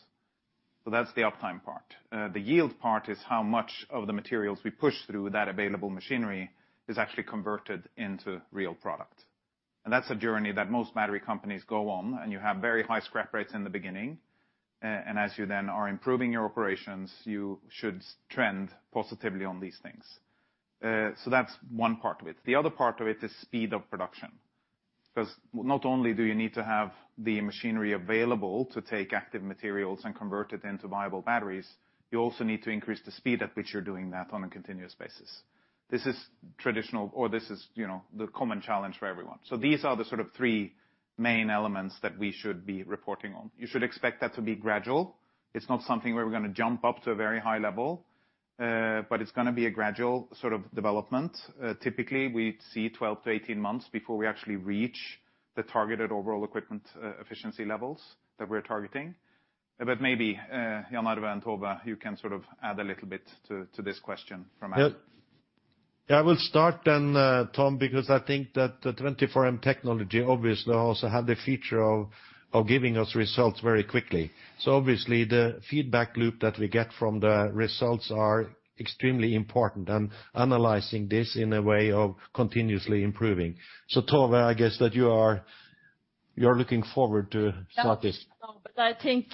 That's the uptime part. The yield part is how much of the materials we push through that available machinery is actually converted into real product. That's a journey that most battery companies go on, and you have very high scrap rates in the beginning. As you then are improving your operations, you should trend positively on these things. That's one part of it. The other part of it is speed of production. 'Cause not only do you need to have the machinery available to take active materials and convert it into viable batteries, you also need to increase the speed at which you're doing that on a continuous basis. This is traditional, you know, the common challenge for everyone. These are the sort of three main elements that we should be reporting on. You should expect that to be gradual. It's not something where we're gonna jump up to a very high level, but it's gonna be a gradual sort of development. Typically, we'd see 12 to 18 months before we actually reach the targeted overall equipment efficiency levels that we're targeting. Maybe, Jan Arve and Tove, you can sort of add a little bit to this question from Adam. Yeah, I will start then Tom, because I think that the 24M technology obviously also have the feature of giving us results very quickly. Obviously, the feedback loop that we get from the results are extremely important and analyzing this in a way of continuously improving. Tove, I guess that you're looking forward to start this. No, but I think,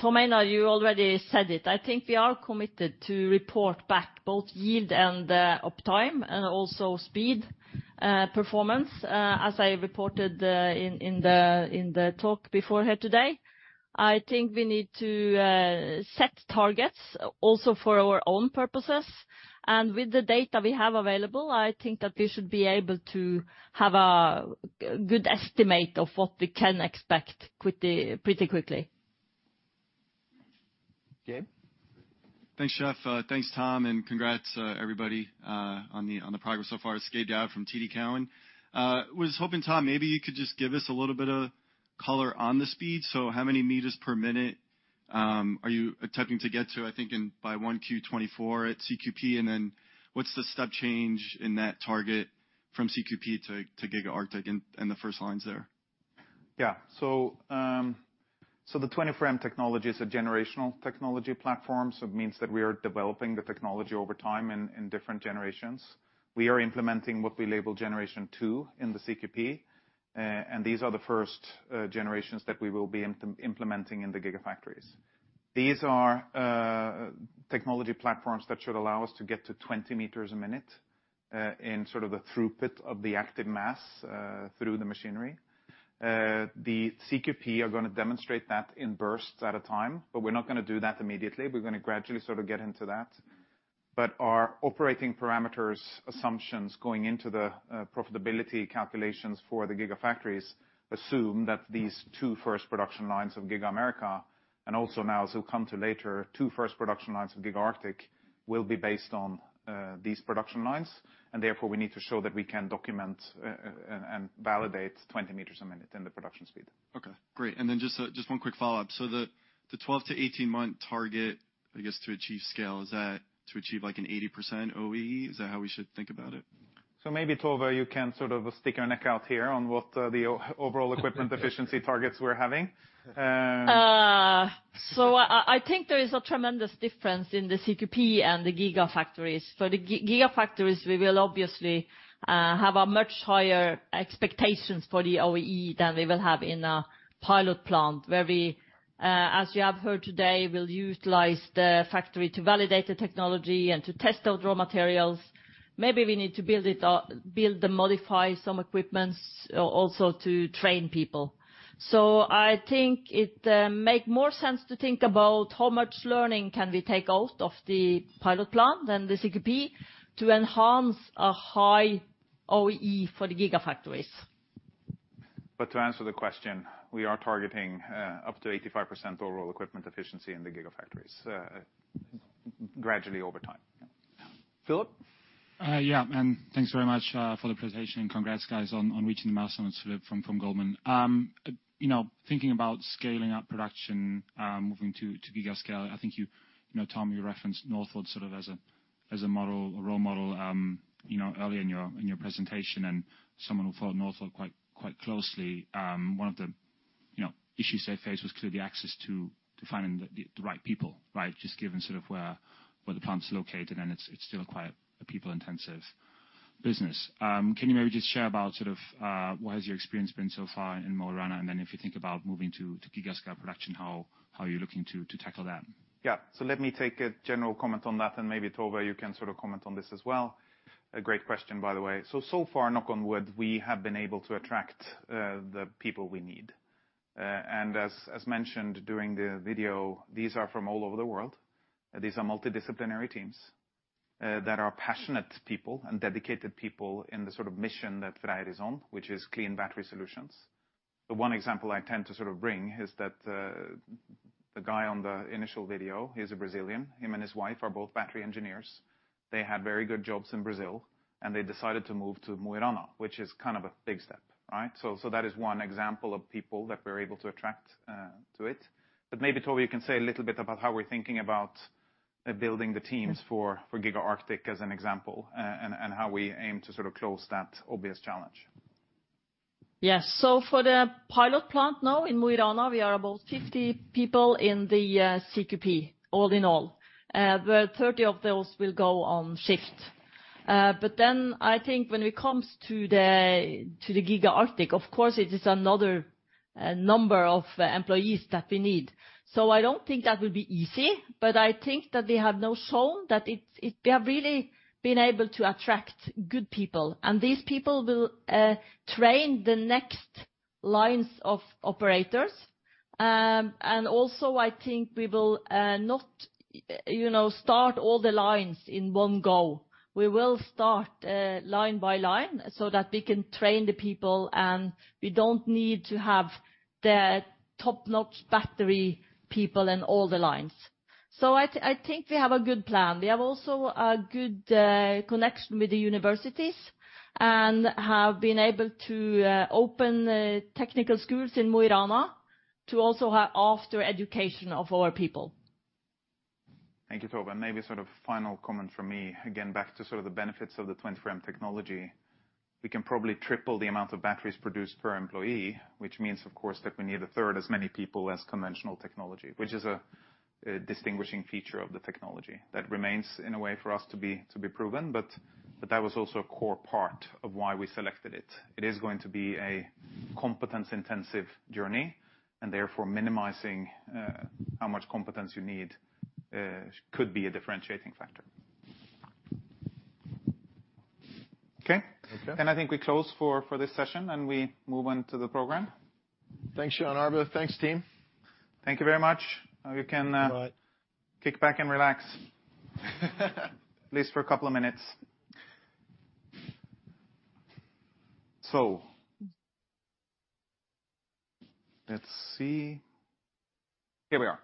Tom Einar, you already said it. I think we are committed to report back both yield and uptime, and also speed, performance. As I reported, in the talk before here today, I think we need to set targets also for our own purposes. With the data we have available, I think that we should be able to have a good estimate of what we can expect quickly, pretty quickly. Gabe? Thanks, Jeff. Thanks Tom and congrats, everybody, on the progress so far. It's Gabe Daoud from TD Cowen. Was hoping, Tom, maybe you could just give us a little bit of color on the speed. How many meters per minute are you attempting to get to, I think, in by 1Q24 at CQP? What's the step change in that target from CQP to Giga Arctic and the first lines there? The 24M technology is a generational technology platform. It means that we are developing the technology over time in different generations. We are implementing what we label Generation 2 in the CQP, and these are the first generations that we will be implementing in the gigafactories. These are technology platforms that should allow us to get to 20 m a minute in sort of the throughput of the active mass through the machinery. The CQP are gonna demonstrate that in bursts at a time. We're not gonna do that immediately. We're gonna gradually sort of get into that. Our operating parameters assumptions going into the profitability calculations for the gigafactories assume that these two first production lines of Giga America, and also now, as we'll come to later, two first production lines of Giga Arctic, will be based on these production lines, and therefore we need to show that we can document and validate 20 m a minute in the production speed. Okay, great. Just one quick follow-up. The 12-18 month target, I guess, to achieve scale, is that to achieve, like, an 80% OEE? Is that how we should think about it? Maybe Tove, you can sort of stick your neck out here on what the overall equipment efficiency targets we're having. I think there is a tremendous difference in the CQP and the gigafactories. For the gigafactories, we will obviously, have a much higher expectations for the OEE than we will have in a pilot plant, where we, as you have heard today, will utilize the factory to validate the technology and to test out raw materials. Maybe we need to build it up, build then modify some equipment, also to train people. I think it make more sense to think about how much learning can we take out of the pilot plant and the CQP to enhance a high OEE for the gigafactories. To answer the question, we are targeting, up to 85% overall equipment effectiveness in the gigafactories, gradually over time. Philip? Thanks very much for the presentation and congrats guys, on reaching the milestone. It's Philip from Goldman. You know, thinking about scaling up production, moving to giga scale, You know, Tom, you referenced Northvolt sort of as a model, a role model, you know, early in your presentation, and someone who followed Northvolt quite closely. One of the issues they faced was clearly access to finding the right people, right? Just given sort of where the plant is located, and it's still quite a people-intensive business. Can you maybe just share about sort of what has your experience been so far in Mo i Rana? If you think about moving to giga scale production, how you're looking to tackle that? Let me take a general comment on that, and maybe, Tove, you can sort of comment on this as well. A great question, by the way. So far, knock on wood, we have been able to attract the people we need. As mentioned during the video, these are from all over the world. These are multidisciplinary teams that are passionate people and dedicated people in the sort of mission that FREYR is on, which is clean battery solutions. The one example I tend to sort of bring is that the guy on the initial video, he's a Brazilian. Him and his wife are both battery engineers. They had very good jobs in Brazil, and they decided to move to Mo i Rana, which is kind of a big step, right? That is one example of people that we're able to attract to it. Maybe, Tove, you can say a little bit about how we're thinking about building the teams for Giga Arctic as an example, and how we aim to sort of close that obvious challenge. For the pilot plant now in Mo i Rana, we are about 50 people in the CQP, all in all, where 30 of those will go on shift. I think when it comes to the Giga Arctic, of course, it is another number of employees that we need. I don't think that will be easy, but I think that we have now shown that we have really been able to attract good people, and these people will train the next lines of operators. Also, I think we will not, you know, start all the lines in one go. We will start line by line so that we can train the people, and we don't need to have the top-notch battery people in all the lines. I think we have a good plan. We have also a good connection with the universities and have been able to open the technical schools in Mo i Rana to also have after education of our people. Thank you Tove. Maybe sort of final comment from me, again, back to sort of the benefits of the 24M technology. We can probably triple the amount of batteries produced per employee, which means, of course, that we need a third as many people as conventional technology, which is a distinguishing feature of the technology. That remains, in a way for us, to be proven, but that was also a core part of why we selected it. It is going to be a competence-intensive journey, and therefore minimizing how much competence you need could be a differentiating factor. Okay? Okay. I think we close for this session, and we move on to the program. Thanks, Jan Arve Haugan. Thanks, team. Thank you very much. Bye-bye. Now you can kick back and relax at least for a couple of minutes. Let's see. Here we are.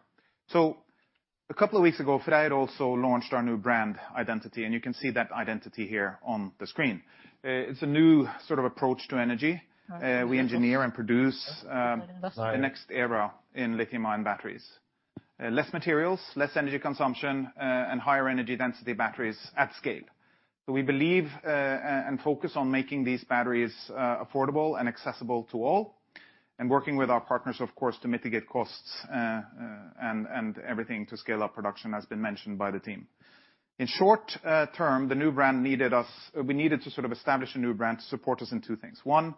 A couple of weeks ago, FREYR also launched our new brand identity, and you can see that identity here on the screen. It's a new sort of approach to energy. We engineer and produce. Right The next era in lithium-ion batteries. Less materials, less energy consumption, and higher energy density batteries at scale. We believe and focus on making these batteries affordable and accessible to all, and working with our partners, of course, to mitigate costs and everything to scale up production, as been mentioned by the team. In short term, we needed to sort of establish a new brand to support us in two things. One,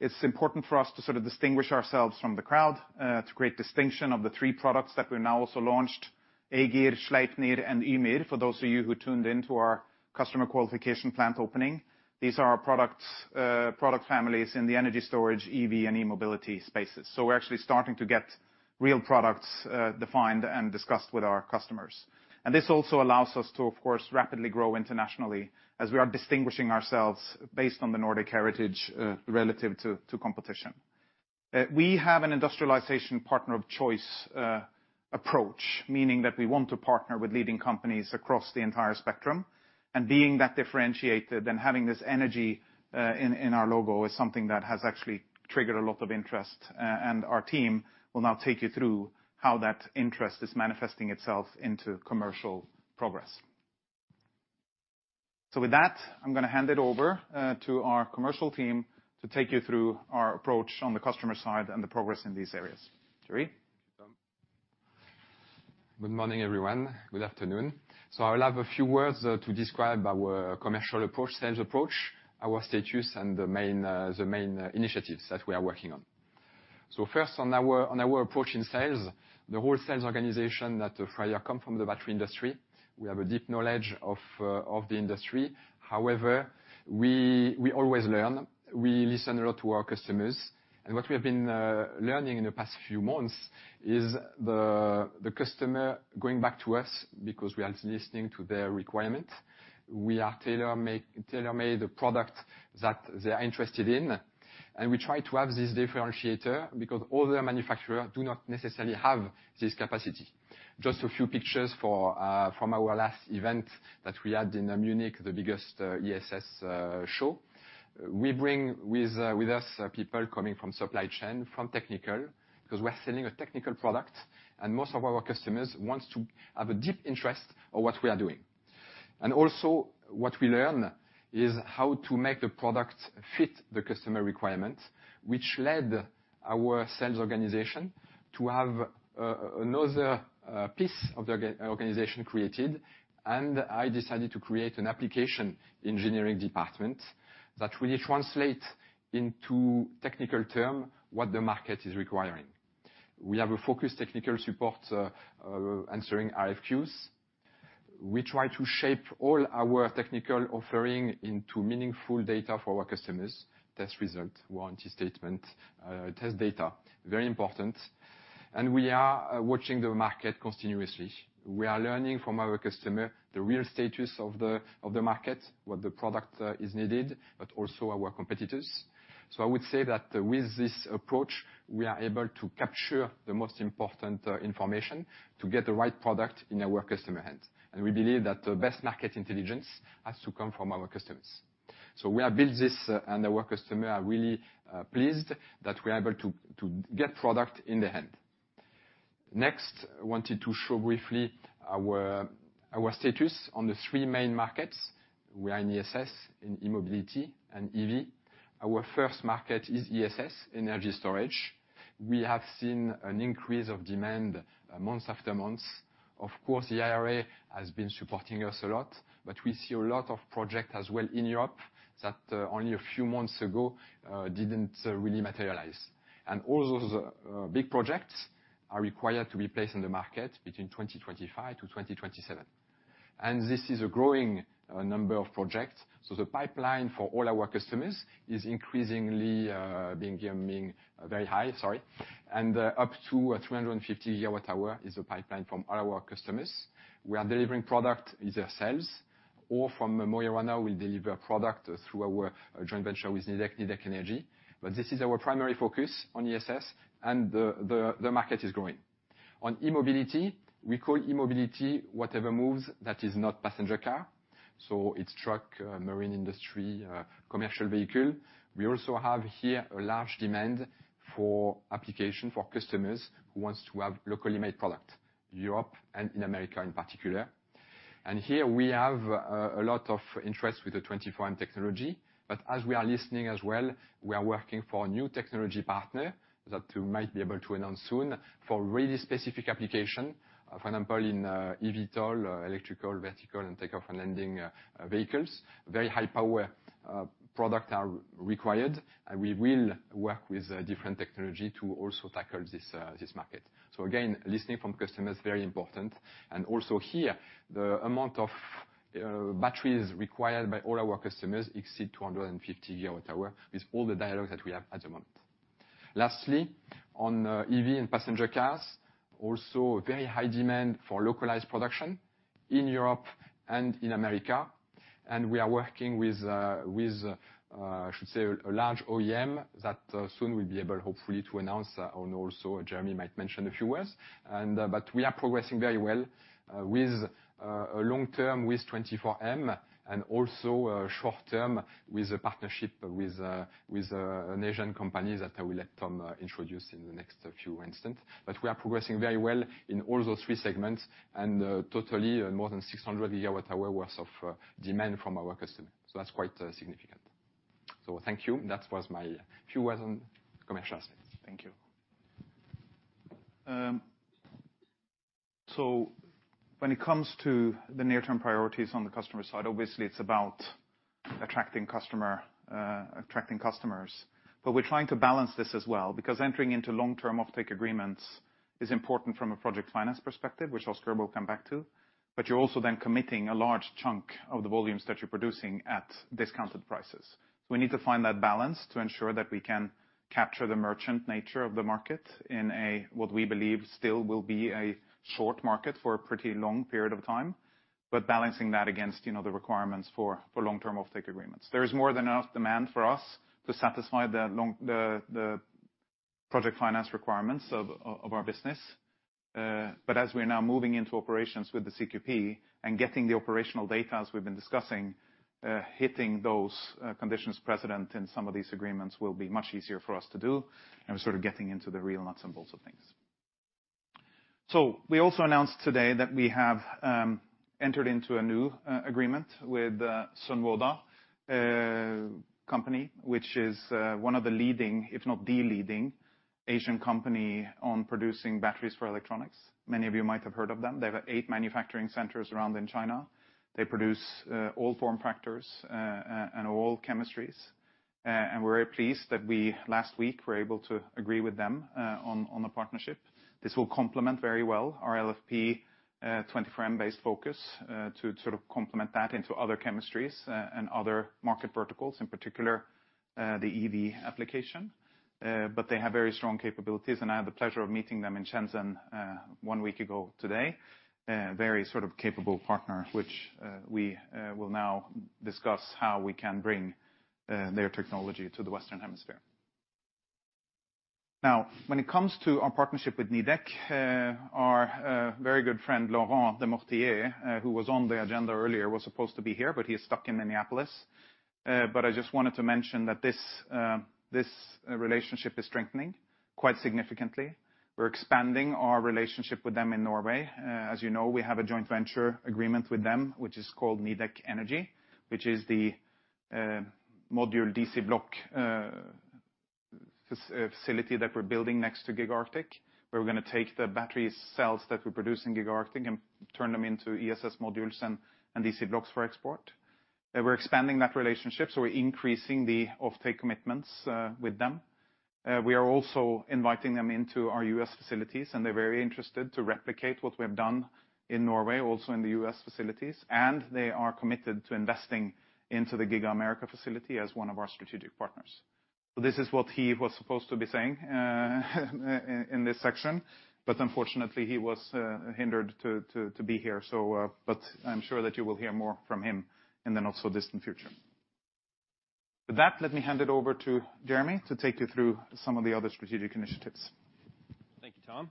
it's important for us to sort of distinguish ourselves from the crowd, to create distinction of the three products that we now also launched, Ægir, Sleipnir, and Ymir, for those of you who tuned in to our Customer Qualification Plant opening. These are our products, product families in the energy storage, EV, and e-mobility spaces. We're actually starting to get real products defined and discussed with our customers. This also allows us to, of course, rapidly grow internationally, as we are distinguishing ourselves based on the Nordic heritage relative to competition. We have an industrialization partner of choice approach, meaning that we want to partner with leading companies across the entire spectrum. Being that differentiated and having this energy in our logo is something that has actually triggered a lot of interest. Our team will now take you through how that interest is manifesting itself into commercial progress. With that, I'm going to hand it over to our commercial team to take you through our approach on the customer side and the progress in these areas. Thierry? Good morning everyone. Good afternoon. I will have a few words to describe our commercial approach, sales approach, our status, and the main initiatives that we are working on. First, on our approach in sales, the whole sales organization at FREYR come from the battery industry. We have a deep knowledge of the industry. However, we always learn. We listen a lot to our customers, and what we have been learning in the past few months is the customer going back to us because we are listening to their requirements. We are tailor-made the product that they are interested in, and we try to have this differentiator because other manufacturer do not necessarily have this capacity. Just a few pictures for from our last event that we had in Munich, the biggest ESS show. We bring with us people coming from supply chain, from technical, because we're selling a technical product, and most of our customers wants to have a deep interest of what we are doing. Also, what we learn is how to make the product fit the customer requirements, which led our sales organization to have another piece of the organization created. I decided to create an application engineering department that will translate into technical term what the market is requiring. We have a focused technical support answering RFQs. We try to shape all our technical offering into meaningful data for our customers, test result, warranty statement, test data, very important. We are watching the market continuously. We are learning from our customer the real status of the, of the market, what the product is needed, but also our competitors. I would say that with this approach, we are able to capture the most important information to get the right product in our customer hands. We believe that the best market intelligence has to come from our customers. We have built this, and our customer are really pleased that we are able to get product in the hand. Next, I wanted to show briefly our status on the three main markets. We are in ESS, in e-mobility and EV. Our first market is ESS, energy storage. We have seen an increase of demand months after months. Of course, the IRA has been supporting us a lot, but we see a lot of project as well in Europe that, only a few months ago, didn't really materialize. All those, big projects are required to be placed in the market between 2025 to 2027, and this is a growing number of projects. The pipeline for all our customers is increasingly being very high, sorry, and up to 350 GWh is a pipeline from all our customers. We are delivering product either ourselves or from Mo i Rana, we deliver product through our joint venture with Nidec Energy. This is our primary focus on ESS, and the market is growing. On e-mobility, we call e-mobility whatever moves that is not passenger car, so it's truck, marine industry, commercial vehicle. We also have here a large demand for application for customers who wants to have locally made product, Europe and in America in particular. Here we have a lot of interest with the 24M technology, but as we are listening as well, we are working for a new technology partner that we might be able to announce soon for really specific application, for example, in eVTOL, electrical, vertical and take-off and landing vehicles. Very high power product are required, and we will work with a different technology to also tackle this market. Again, listening from customer is very important. Also here, the amount of batteries required by all our customers exceed 250 GWh with all the dialogues that we have at the moment. Lastly, on EV and passenger cars, also a very high demand for localized production in Europe and in America. We are working with a large OEM that soon we'll be able, hopefully, to announce. Also Jeremy might mention a few words. We are progressing very well long term with 24M, also short term with a partnership with an Asian company that I will let Tom introduce in the next few instances. We are progressing very well in all those three segments, totally more than 600 GWh worth of demand from our customers. That's quite significant. Thank you. That was my few words on commercial side. Thank you. When it comes to the near-term priorities on the customer side, obviously, it's about attracting customers. We're trying to balance this as well, because entering into long-term offtake agreements is important from a project finance perspective, which Oscar will come back to, but you're also then committing a large chunk of the volumes that you're producing at discounted prices. We need to find that balance to ensure that we can capture the merchant nature of the market in a, what we believe still will be a short market for a pretty long period of time, but balancing that against, you know, the requirements for long-term offtake agreements. There is more than enough demand for us to satisfy the project finance requirements of our business. As we are now moving into operations with the CQP and getting the operational data as we've been discussing, hitting those conditions precedent in some of these agreements will be much easier for us to do and sort of getting into the real nuts and bolts of things. We also announced today that we have entered into a new agreement with Sunwoda company, which is one of the leading, if not the leading, Asian company on producing batteries for electronics. Many of you might have heard of them. They have eight manufacturing centers around in China. They produce all form factors and all chemistries. We're very pleased that we, last week, were able to agree with them on the partnership. This will complement very well our LFP 24 amp-based focus to sort of complement that into other chemistries and other market verticals, in particular, the EV application. They have very strong capabilities, and I had the pleasure of meeting them in Shenzhen one week ago today. Very sort of capable partner, which we will now discuss how we can bring their technology to the Western Hemisphere. When it comes to our partnership with Nidec, our very good friend, Laurent Demortier, who was on the agenda earlier, was supposed to be here, but he is stuck in Minneapolis. I just wanted to mention that this relationship is strengthening quite significantly. We're expanding our relationship with them in Norway. As you know, we have a joint venture agreement with them, which is called Nidec Energy, which is the module DC block facility that we're building next to Gigarctic, where we're gonna take the battery cells that we produce in Gigarctic and turn them into ESS modules and DC blocks for export. We're expanding that relationship, so we're increasing the offtake commitments with them. We are also inviting them into our U.S. facilities, and they're very interested to replicate what we have done in Norway, also in the U.S. facilities, and they are committed to investing into the Giga America facility as one of our strategic partners. This is what he was supposed to be saying in this section, but unfortunately, he was hindered to be here. I'm sure that you will hear more from him in the not-so-distant future. With that, let me hand it over to Jeremy to take you through some of the other strategic initiatives. Thank you, Tom.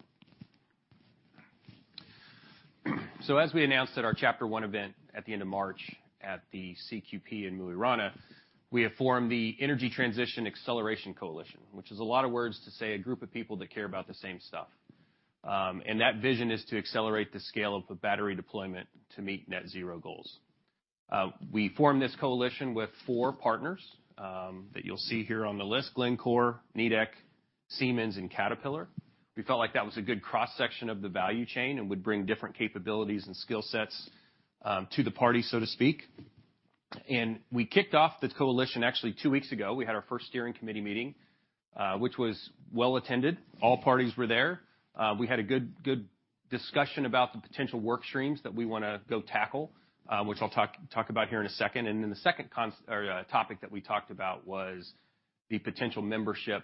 As we announced at our Chapter 1 event at the end of March at the CQP in Mo i Rana, we have formed the Energy Transition Acceleration Coalition, which is a lot of words to say, a group of people that care about the same stuff. That vision is to accelerate the scale of battery deployment to meet net zero goals. We formed this coalition with four partners that you'll see here on the list: Glencore, Nidec, Siemens, and Caterpillar. We felt like that was a good cross-section of the value chain and would bring different capabilities and skill sets to the party, so to speak. We kicked off the coalition actually two weeks ago. We had our first steering committee meeting, which was well attended. All parties were there. We had a good discussion about the potential work streams that we wanna go tackle, which I'll talk about here in a second. The second topic that we talked about was the potential membership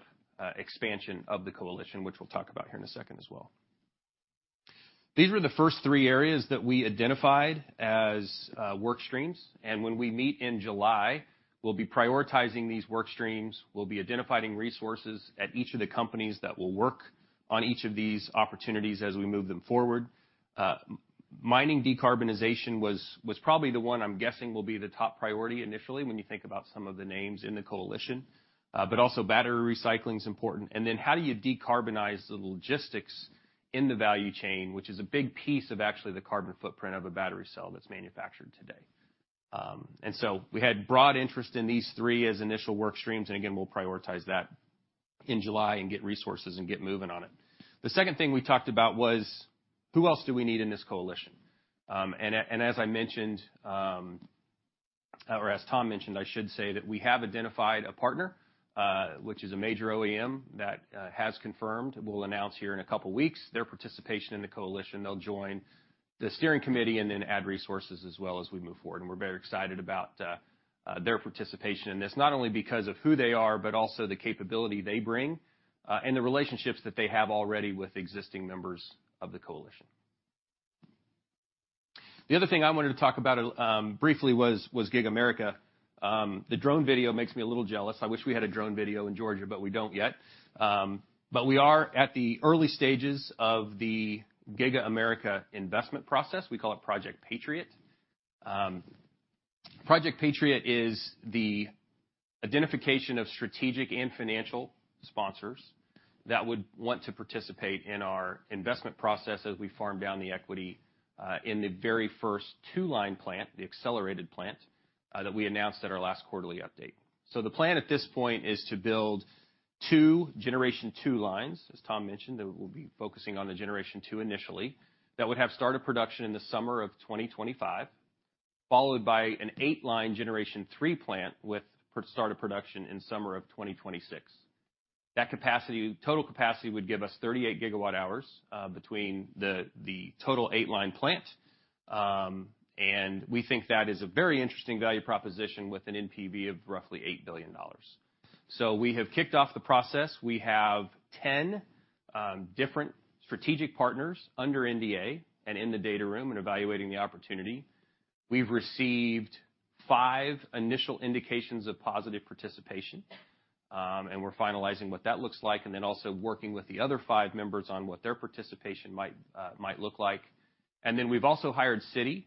expansion of the coalition, which we'll talk about here in a second as well. These were the first three areas that we identified as work streams. When we meet in July, we'll be prioritizing these work streams. We'll be identifying resources at each of the companies that will work on each of these opportunities as we move them forward. Mining decarbonization was probably the one I'm guessing will be the top priority initially when you think about some of the names in the coalition, but also battery recycling is important. How do you decarbonize the logistics in the value chain, which is a big piece of actually the carbon footprint of a battery cell that's manufactured today. We had broad interest in these three as initial work streams, and again, we'll prioritize that in July and get resources and get moving on it. The second thing we talked about was, who else do we need in this coalition? As I mentioned, or as Tom mentioned, I should say, that we have identified a partner, which is a major OEM that has confirmed. We'll announce here in a couple of weeks their participation in the coalition. They'll join the steering committee then add resources as well as we move forward, we're very excited about their participation in this, not only because of who they are, but also the capability they bring, and the relationships that they have already with existing members of the coalition. The other thing I wanted to talk about briefly was Giga America. The drone video makes me a little jealous. I wish we had a drone video in Georgia, we don't yet. We are at the early stages of the Giga America investment process. We call it Project Patriot. Project Patriot is the identification of strategic and financial sponsors that would want to participate in our investment process as we farm down the equity, in the very first two-line plant, the accelerated plant, that we announced at our last quarterly update. The plan at this point is to build two Generation two-lines, as Tom mentioned, that we'll be focusing on the Generation 2 initially, that would have start of production in the summer of 2025, followed by an eight-line Generation 3 plant with start of production in summer of 2026. That total capacity would give us 38 GWh, between the total eight-line plant, and we think that is a very interesting value proposition with an NPV of roughly $8 billion. We have kicked off the process. We have 10 different strategic partners under NDA and in the data room and evaluating the opportunity. We've received five initial indications of positive participation, and we're finalizing what that looks like, also working with the other five members on what their participation might look like. We've also hired Citi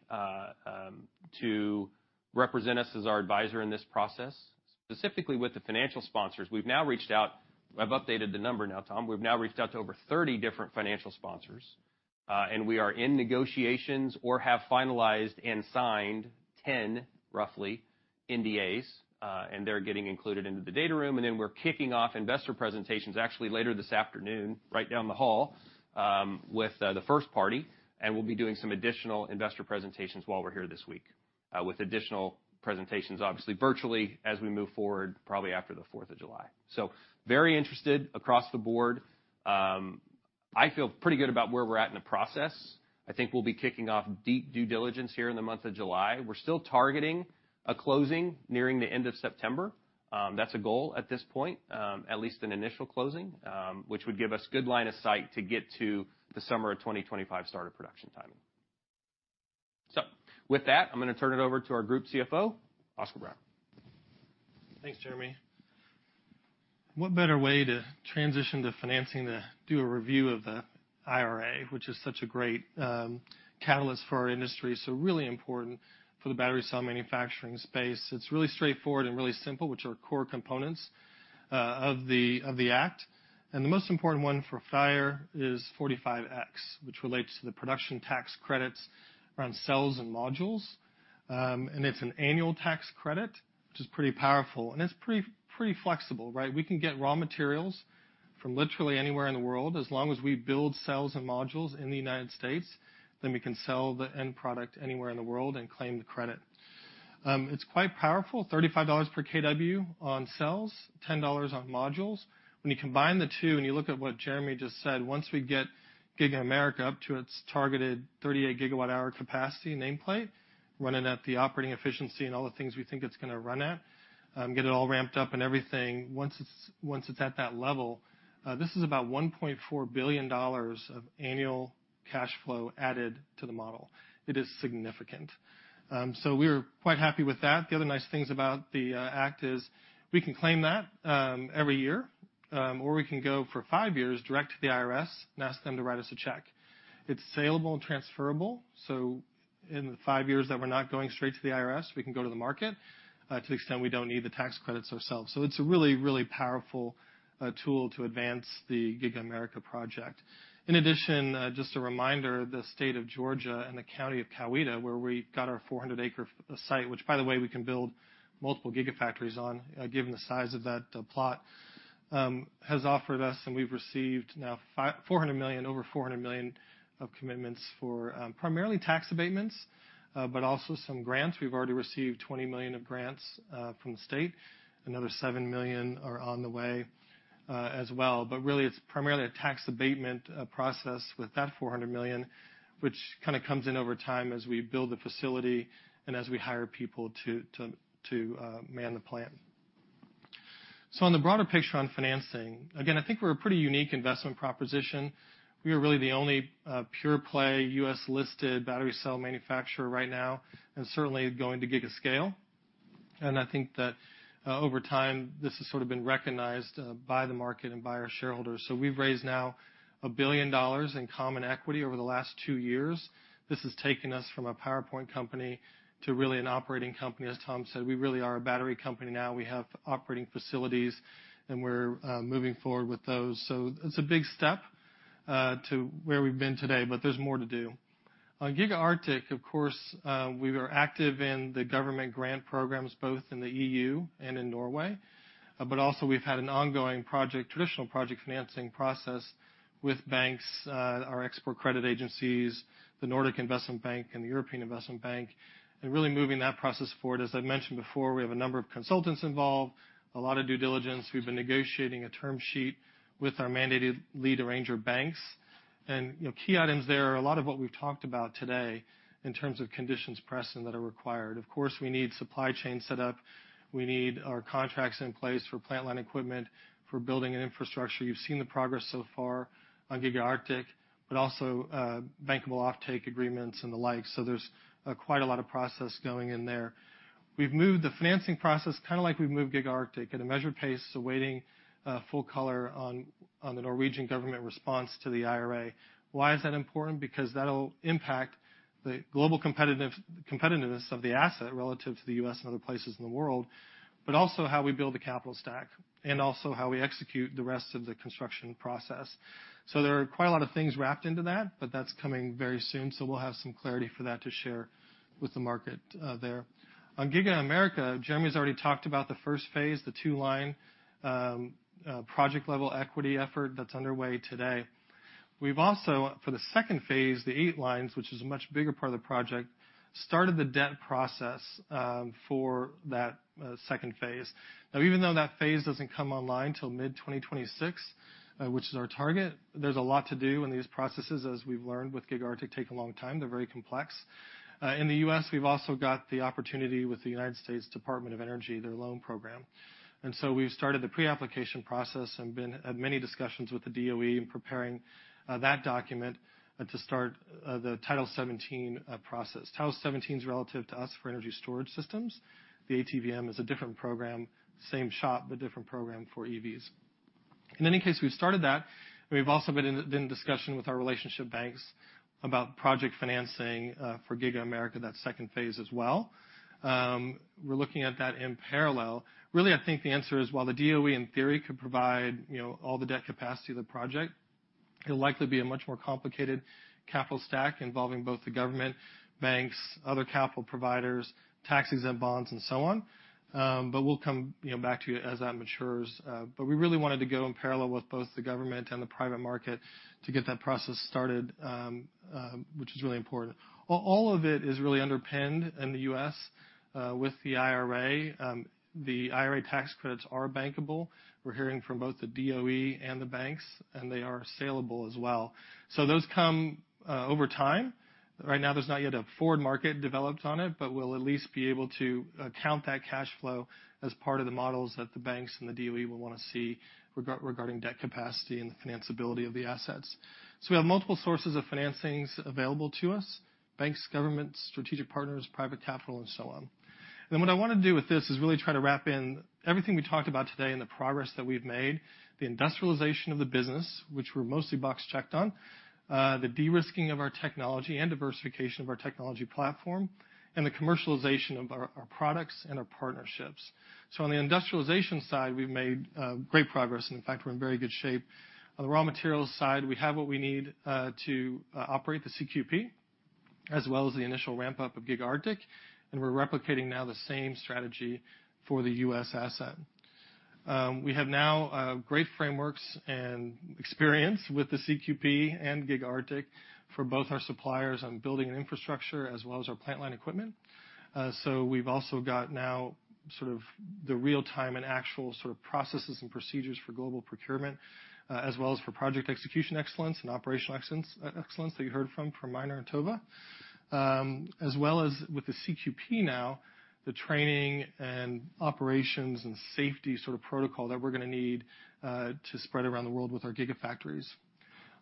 to represent us as our advisor in this process. Specifically, with the financial sponsors, I've updated the number now, Tom. We've now reached out to over 30 different financial sponsors, and we are in negotiations or have finalized and signed 10, roughly, NDAs, and they're getting included into the data room. We're kicking off investor presentations, actually later this afternoon, right down the hall, with the first party, and we'll be doing some additional investor presentations while we're here this week, with additional presentations, obviously, virtually, as we move forward, probably after the 4th of July. Very interested across the board. I feel pretty good about where we're at in the process. I think we'll be kicking off deep due diligence here in the month of July. We're still targeting a closing nearing the end of September. That's a goal at this point, at least an initial closing, which would give us good line of sight to get to the summer of 2025 start of production timing. With that, I'm gonna turn it over to our Group CFO, Oscar Brown. Thanks Jeremy. What better way to transition to financing than do a review of the IRA, which is such a great catalyst for our industry, so really important for the battery cell manufacturing space. It's really straightforward and really simple, which are core components of the Act. The most important one for FREYR is 45X, which relates to the production tax credits around cells and modules. It's an annual tax credit, which is pretty powerful, and it's pretty flexible, right? We can get raw materials from literally anywhere in the world. As long as we build cells and modules in the United States, then we can sell the end product anywhere in the world and claim the credit. It's quite powerful, $35 per kW on cells, $10 on modules. When you combine the two, and you look at what Jeremy just said, once we get Giga America up to its targeted 38 GWh capacity nameplate, running at the operating efficiency and all the things we think it's gonna run at, get it all ramped up and everything. Once it's at that level, this is about $1.4 billion of annual cash flow added to the model. It is significant. We're quite happy with that. The other nice things about the Act is we can claim that every year, or we can go for five years direct to the IRS and ask them to write us a check. It's salable and transferable, so in the five years that we're not going straight to the IRS, we can go to the market to the extent we don't need the tax credits ourselves. It's a really, really powerful tool to advance the Giga America project. In addition, just a reminder, the state of Georgia and the county of Coweta, where we got our 400 acre site, which, by the way, we can build multiple gigafactories on, given the size of that plot, has offered us, and we've received now $400 million, over $400 million of commitments for primarily tax abatements, but also some grants. We've already received $20 million of grants from the state. Another $7 million are on the way as well. Really, it's primarily a tax abatement, process with that $400 million, which kind of comes in over time as we build the facility and as we hire people to man the plant. On the broader picture on financing, again, I think we're a pretty unique investment proposition. We are really the only pure play U.S.-listed battery cell manufacturer right now, and certainly going to gigascale. I think that over time, this has sort of been recognized by the market and by our shareholders. We've raised now $1 billion in common equity over the last two years. This has taken us from a PowerPoint company to really an operating company. As Tom said, we really are a battery company now. We have operating facilities, and we're moving forward with those. It's a big step to where we've been today, but there's more to do. On Giga Arctic, of course, we are active in the government grant programs, both in the EU and in Norway, but also we've had an ongoing project, traditional project financing process with banks, our export credit agencies, the Nordic Investment Bank and the European Investment Bank, and really moving that process forward. As I mentioned before, we have a number of consultants involved, a lot of due diligence. We've been negotiating a term sheet with our mandated lead arranger banks. You know, key items there are a lot of what we've talked about today in terms of conditions present that are required. Of course, we need supply chain set up. We need our contracts in place for plant line equipment, for building an infrastructure. You've seen the progress so far on Giga Arctic, also bankable offtake agreements and the like. There's quite a lot of process going in there. We've moved the financing process, kind of like we've moved Giga Arctic, at a measured pace, awaiting full color on the Norwegian government response to the IRA. Why is that important? That'll impact the global competitiveness of the asset relative to the U.S. and other places in the world, but also how we build the capital stack, and also how we execute the rest of the construction process. There are quite a lot of things wrapped into that, but that's coming very soon, so we'll have some clarity for that to share with the market there. On Giga America, Jeremy's already talked about the first phase, the two-line, project-level equity effort that's underway today. We've also, for the second phase, the eight-lines, which is a much bigger part of the project, started the debt process for that second phase. Even though that phase doesn't come online till mid-2026, which is our target, there's a lot to do in these processes, as we've learned with Giga Arctic, take a long time. They're very complex. In the U.S., we've also got the opportunity with the United States Department of Energy, their loan program. We've started the pre-application process and had many discussions with the DOE in preparing that document to start the Title XVII process. Title XVII is relative to us for energy storage systems. The ATVM is a different program, same shop, but different program for EVs. In any case, we've started that, and we've also been in discussion with our relationship banks about project financing for Giga America, that second phase as well. We're looking at that in parallel. Really, I think the answer is, while the DOE in theory could provide, you know, all the debt capacity of the project, it'll likely be a much more complicated capital stack involving both the government, banks, other capital providers, tax-exempt bonds, and so on. But we'll come, you know, back to you as that matures, but we really wanted to go in parallel with both the government and the private market to get that process started, which is really important. Well, all of it is really underpinned in the US with the IRA. The IRA tax credits are bankable. We're hearing from both the DOE and the banks, and they are saleable as well, so those come over time. Right now, there's not yet a forward market developed on it, but we'll at least be able to count that cash flow as part of the models that the banks and the DOE will wanna see regarding debt capacity and the financability of the assets. We have multiple sources of financings available to us: banks, government, strategic partners, private capital, and so on. What I wanna do with this is really try to wrap in everything we talked about today and the progress that we've made, the industrialization of the business, which we're mostly box checked on, the de-risking of our technology and diversification of our technology platform, and the commercialization of our products and our partnerships. On the industrialization side, we've made great progress, and in fact, we're in very good shape. On the raw materials side, we have what we need to operate the CQP, as well as the initial ramp-up of Giga Arctic, and we're replicating now the same strategy for the U.S. asset. We have now great frameworks and experience with the CQP and Giga Arctic for both our suppliers on building an infrastructure, as well as our plant line equipment. We've also got now sort of the real-time and actual sort of processes and procedures for global procurement, as well as for project execution excellence and operational excellence, that you heard from Minor and Tove. As well as with the CQP now, the training and operations and safety sort of protocol that we're gonna need to spread around the world with our gigafactories.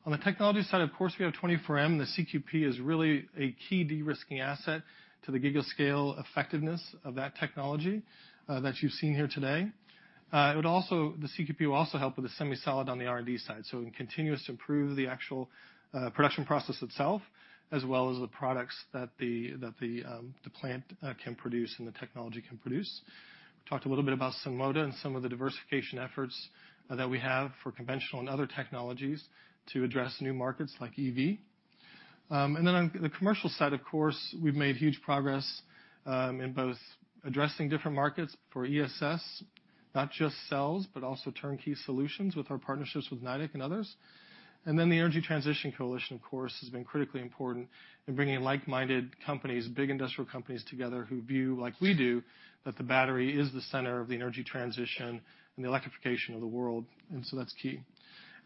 On the technology side, of course, we have 24M. The CQP is really a key de-risking asset to the giga scale effectiveness of that technology, that you've seen here today. It would also, the CQP will also help with the SemiSolid on the R&D side. We can continue to improve the actual production process itself, as well as the products that the plant can produce and the technology can produce. We talked a little bit about Sunwoda and some of the diversification efforts that we have for conventional and other technologies to address new markets like EV. On the commercial side, of course, we've made huge progress in both addressing different markets for ESS, not just cells, but also turnkey solutions with our partnerships with Nidec and others. The Energy Transition Acceleration Coalition, of course, has been critically important in bringing like-minded companies, big industrial companies, together who view, like we do, that the battery is the center of the energy transition and the electrification of the world, that's key.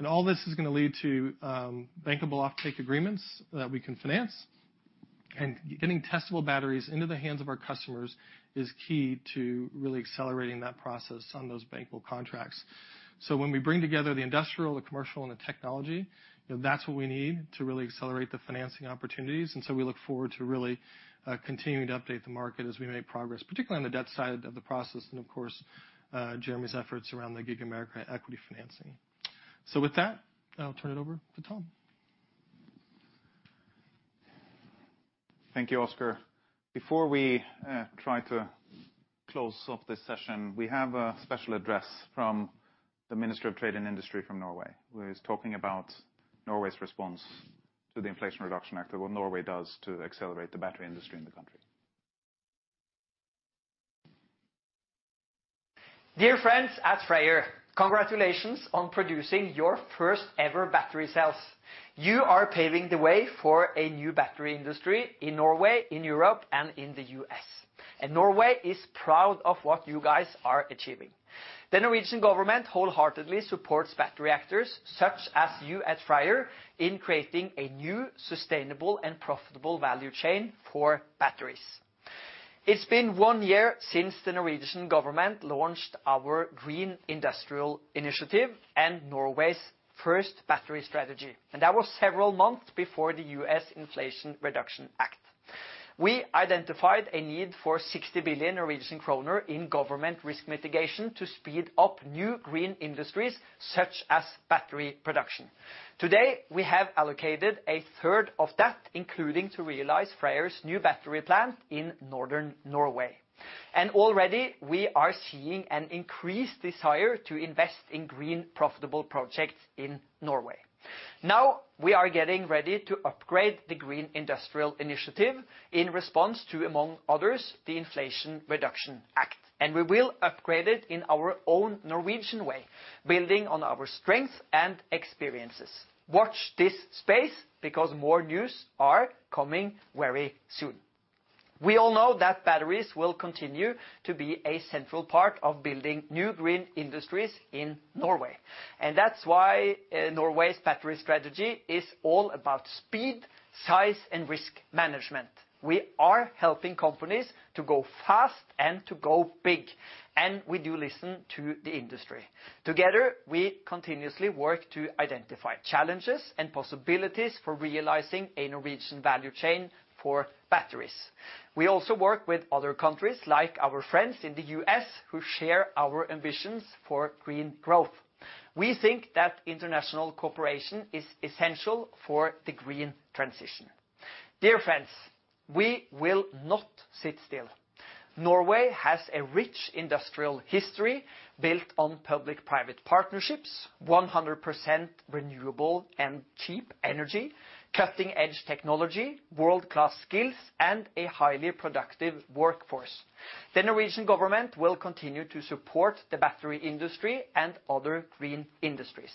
All this is gonna lead to bankable offtake agreements that we can finance, getting testable batteries into the hands of our customers is key to really accelerating that process on those bankable contracts. When we bring together the industrial, the commercial, and the technology, that's what we need to really accelerate the financing opportunities. We look forward to really continuing to update the market as we make progress, particularly on the debt side of the process and, of course, Jeremy's efforts around the Giga America equity financing. With that, I'll turn it over to Tom. Thank you Oscar, Before we try to close off this session, we have a special address from the Minister of Trade and Industry from Norway, who is talking about Norway's response to the Inflation Reduction Act, or what Norway does to accelerate the battery industry in the country. [Minister of Trade and Industry from Norway in video recording] Dear friends at FREYR, congratulations on producing your first-ever battery cells. You are paving the way for a new battery industry in Norway, in Europe, and in the U.S. Norway is proud of what you guys are achieving. The Norwegian government wholeheartedly supports battery actors, such as you at FREYR, in creating a new, sustainable, and profitable value chain for batteries. It's been one year since the Norwegian government launched our Green Industrial Initiative and Norway's first battery strategy. That was several months before the U.S. Inflation Reduction Act. We identified a need for 60 billion Norwegian kroner in government risk mitigation to speed up new green industries, such as battery production. Today, we have allocated a third of that, including to realize FREYR's new battery plant in northern Norway. Already we are seeing an increased desire to invest in green, profitable projects in Norway. We are getting ready to upgrade the Green Industrial Initiative in response to, among others, the Inflation Reduction Act. We will upgrade it in our own Norwegian way, building on our strength and experiences. Watch this space, because more news are coming very soon. We all know that batteries will continue to be a central part of building new green industries in Norway. That's why Norway's battery strategy is all about speed, size, and risk management. We are helping companies to go fast and to go big. We do listen to the industry. Together, we continuously work to identify challenges and possibilities for realizing a Norwegian value chain for batteries. We also work with other countries, like our friends in the U.S., who share our ambitions for green growth. We think that international cooperation is essential for the green transition. Dear friends, we will not sit still. Norway has a rich industrial history built on public-private partnerships, 100% renewable and cheap energy, cutting-edge technology, world-class skills, and a highly productive workforce. The Norwegian government will continue to support the battery industry and other green industries.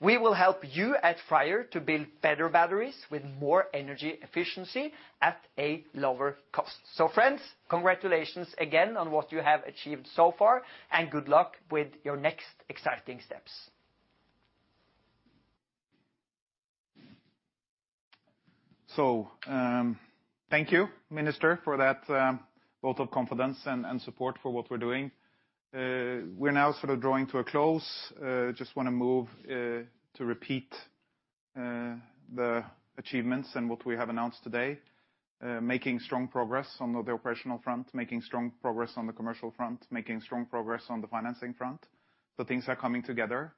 We will help you at FREYR to build better batteries with more energy efficiency at a lower cost. Friends, congratulations again on what you have achieved so far, and good luck with your next exciting steps. Thank you, Minister, for that vote of confidence and support for what we're doing. We're now sort of drawing to a close. Just wanna move to repeat the achievements and what we have announced today. Making strong progress on the operational front, making strong progress on the commercial front, making strong progress on the financing front. Things are coming together.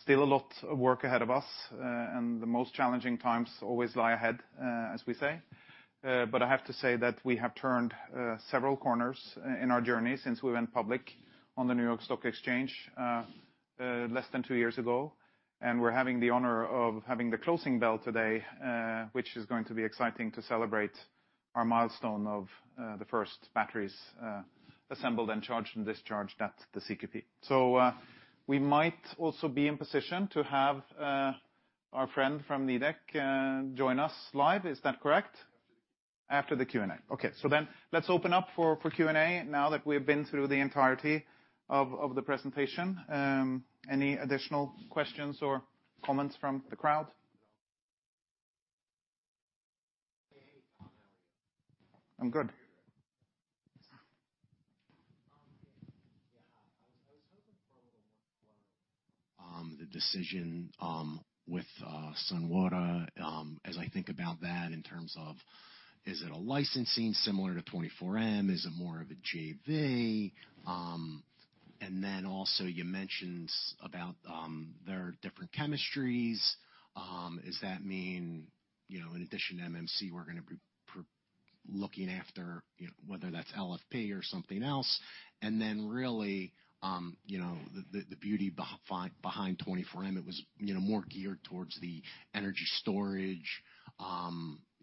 Still a lot of work ahead of us, and the most challenging times always lie ahead, as we say. I have to say that we have turned several corners in our journey since we went public on the New York Stock Exchange less than two years ago. We're having the honor of having the closing bell today, which is going to be exciting to celebrate our milestone of the first batteries assembled and charged and discharged at the CQP. We might also be in position to have our friend from Nidec join us live. Is that correct? After the Q&A. Let's open up for Q&A now that we've been through the entirety of the presentation. Any additional questions or comments from the crowd? Hey, Tom. How are you? I'm good. I was, I was hoping for a little more, the decision with Sunwoda. As I think about that in terms of, is it a licensing similar to 24M? Is it more of a JV? Also you mentions about, there are different chemistries. Does that mean, you know, in addition to NMC, we're gonna be looking after, you know, whether that's LFP or something else? Really, you know, the, the beauty behind 24M, it was, you know, more geared towards the energy storage.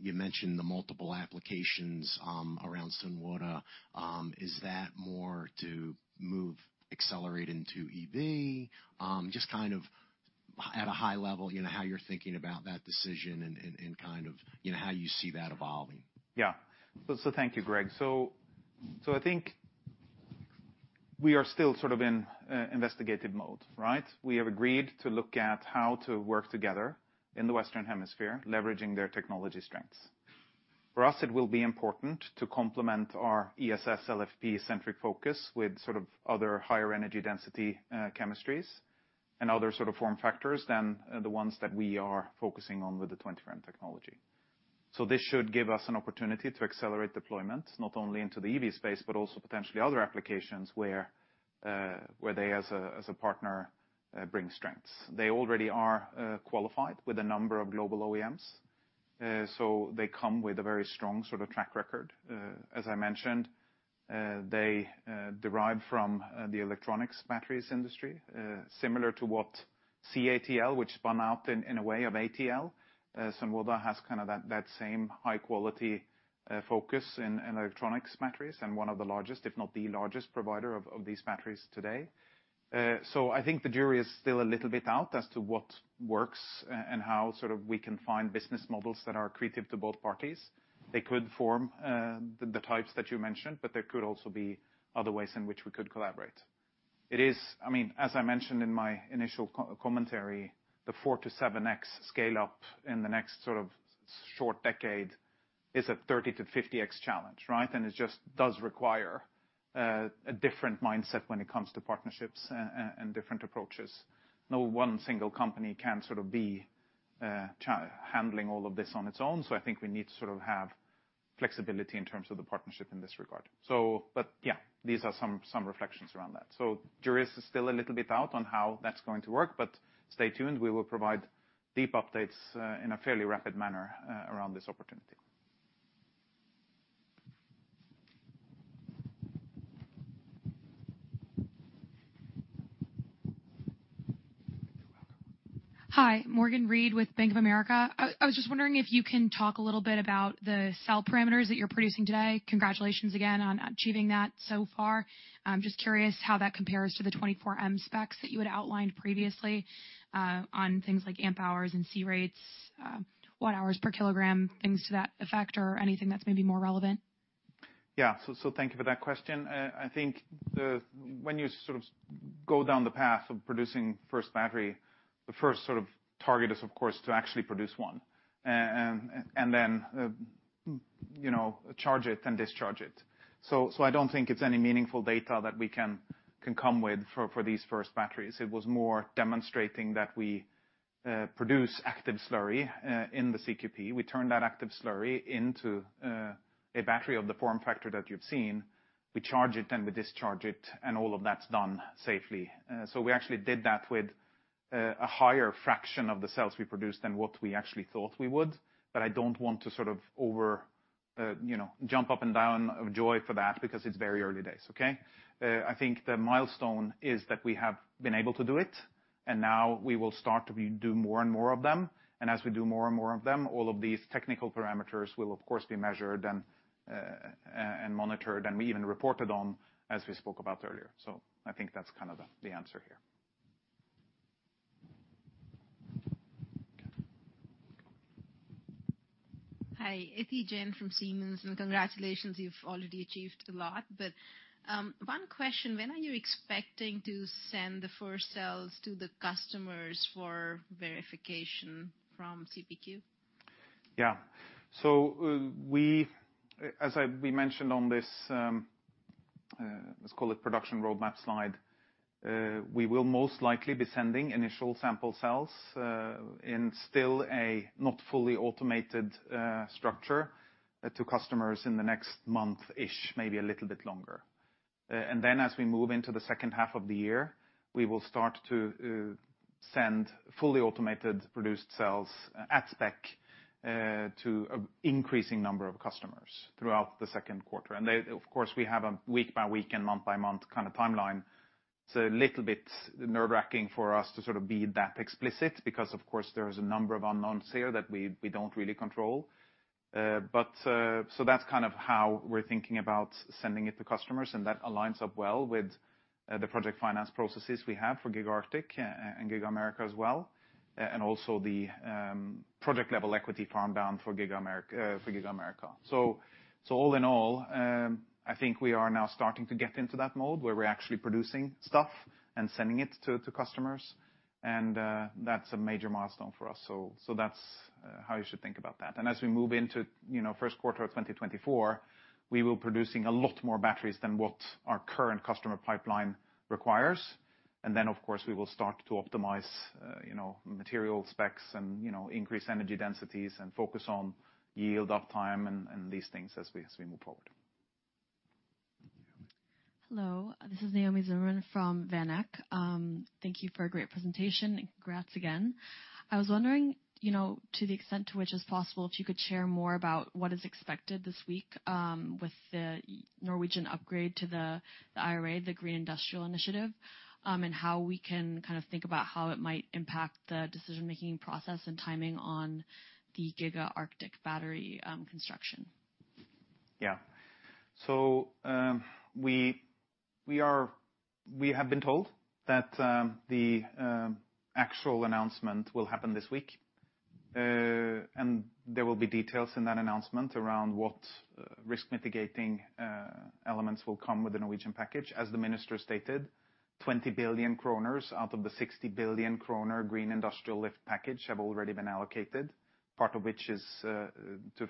You mentioned the multiple applications around Sunwoda. Is that more to move accelerate into EV? Just kind of at a high level, you know, how you're thinking about that decision and, and kind of, you know, how you see that evolving. Thank you, Greg so I think we are still sort of in investigative mode, right. We have agreed to look at how to work together in the Western Hemisphere, leveraging their technology strengths. For us, it will be important to complement our ESS LFP-centric focus with sort of other higher energy density chemistries and other sort of form factors than the ones that we are focusing on with the 24M technology. This should give us an opportunity to accelerate deployment, not only into the EV space, but also potentially other applications where they, as a partner, bring strengths. They already are qualified with a number of global OEMs, so they come with a very strong sort of track record. As I mentioned, they derive from the electronics batteries industry, similar to what CATL, which spun out in a way, of ATL. Sunwoda has kind of that same high quality focus in electronics batteries, and one of the largest, if not the largest, provider of these batteries today. I think the jury is still a little bit out as to what works and how sort of we can find business models that are accretive to both parties. They could form the types that you mentioned, but there could also be other ways in which we could collaborate. It is—I mean, as I mentioned in my initial co-commentary, the 4x-7x scale up in the next sort of short decade is a 30x-50x challenge, right? It just does require a different mindset when it comes to partnerships, and different approaches. No one single company can sort of be handling all of this on its own, so I think we need to sort of have flexibility in terms of the partnership in this regard. But, yeah, these are some reflections around that. Jury is still a little bit out on how that's going to work, but stay tuned. We will provide deep updates in a fairly rapid manner around this opportunity. You're welcome. Hi, Megan Reed with Bank of America. I was just wondering if you can talk a little bit about the cell parameters that you're producing today. Congratulations again on achieving that so far. I'm just curious how that compares to the 24M specs that you had outlined previously on things like amp hours and C-rates, watt hours per kilogram, things to that effect, or anything that's maybe more relevant. Yeah, thank you for that question. I think the when you sort of go down the path of producing first battery, the first sort of target is, of course, to actually produce one, and then, you know, charge it and discharge it. I don't think it's any meaningful data that we can come with for these first batteries. It was more demonstrating that we produce active slurry in the CQP. We turn that active slurry into a battery of the form factor that you've seen. We charge it, and we discharge it, and all of that's done safely. We actually did that with a higher fraction of the cells we produced than what we actually thought we would. I don't want to sort of over, you know, jump up and down of joy for that because it's very early days, okay? I think the milestone is that we have been able to do it, and now we will start to do more and more of them. As we do more and more of them, all of these technical parameters will, of course, be measured and monitored, and we even reported on, as we spoke about earlier. I think that's kind of the answer here. Hi, It's Jen from Siemens and congratulations, you've already achieved a lot. One question, when are you expecting to send the first cells to the customers for verification from CQP? Yeah, as we mentioned on this, let's call it production roadmap slide, we will most likely be sending initial sample cells in still a not fully automated structure, to customers in the next month-ish, maybe a little bit longer. Then, as we move into the second half of the year, we will start to send fully automated produced cells at spec to an increasing number of customers throughout the second quarter. Of course, we have a week-by-week and month-by-month kind of timeline, so a little bit nerve-wracking for us to sort of be that explicit because, of course, there is a number of unknowns here that we don't really control. That's kind of how we're thinking about sending it to customers, and that aligns up well with the project finance processes we have for Giga Arctic and Giga America as well, and also the project-level equity farm-down for Giga America. All in all, I think we are now starting to get into that mode where we're actually producing stuff and sending it to customers, and that's a major milestone for us. That's how you should think about that. As we move into, you know, first quarter of 2024, we will producing a lot more batteries than what our current customer pipeline requires. Of course, we will start to optimize, you know, material specs and increase energy densities and focus on yield uptime and these things as we move forward. Hello, this is Naomi Zimmerman from VanEck. Thank you for a great presentation. Congrats again. I was wondering, you know, to the extent to which is possible, if you could share more about what is expected this week, with the Norwegian upgrade to the IRA, the Green Industrial Initiative, and how we can kind of think about how it might impact the decision-making process and timing on the Giga Arctic battery, construction? We have been told that the actual announcement will happen this week, and there will be details in that announcement around what risk mitigating elements will come with the Norwegian package. As the minister stated, 20 billion kroner out of the 60 billion kroner Green Industrial Initiative package have already been allocated, part of which is to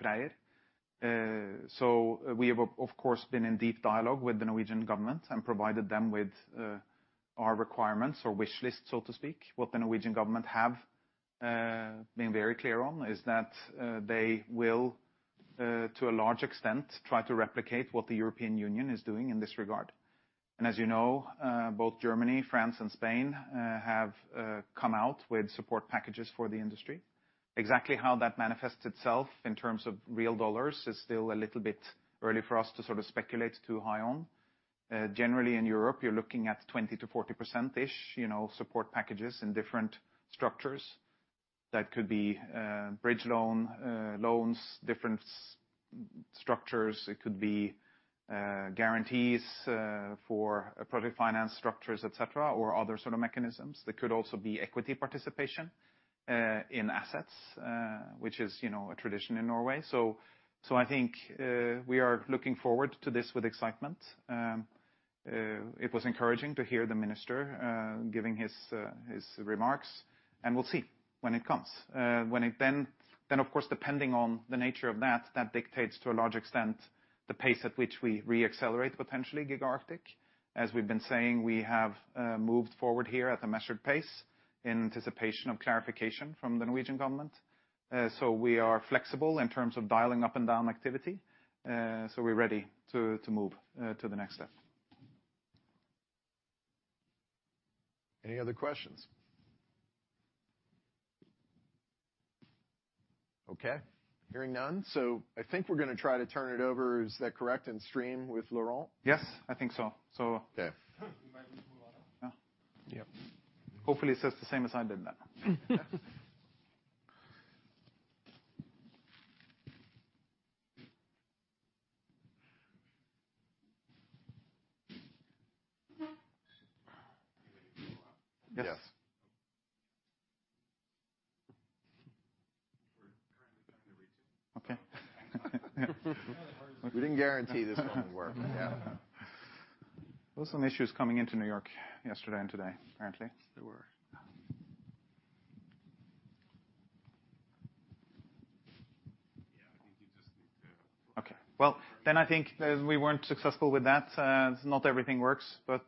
FREYR. We have, of course, been in deep dialogue with the Norwegian government and provided them with our requirements or wish list, so to speak. What the Norwegian government have been very clear on is that they will to a large extent, try to replicate what the European Union is doing in this regard. As you know, both Germany, France, and Spain have come out with support packages for the industry. Exactly how that manifests itself in terms of real dollars is still a little bit early for us to sort of speculate too high on. Generally, in Europe, you're looking at 20%-40%-ish, you know, support packages in different structures. That could be bridge loan, loans, different structures. It could be guarantees for project finance structures, etc., or other sort of mechanisms. There could also be equity participation in assets, which is, you know, a tradition in Norway. I think we are looking forward to this with excitement. It was encouraging to hear the minister giving his remarks, and we'll see when it comes. When it then, of course, depending on the nature of that dictates, to a large extent, the pace at which we re-accelerate, potentially, Giga Arctic. As we've been saying, we have moved forward here at a measured pace in anticipation of clarification from the Norwegian Government. We are flexible in terms of dialing up and down activity, so we're ready to move to the next step. Any other questions? Okay, hearing none. I think we're going to try to turn it over. Is that correct, stream with Laurent? Yes, I think so. Okay. We might need to move on. Yeah. Hopefully, it says the same as I did then. Yes. We're currently trying to reach him. Okay. We didn't guarantee this one would work. Yeah. There were some issues coming into New York yesterday and today, apparently. There were. I think, we weren't successful with that not everything works, but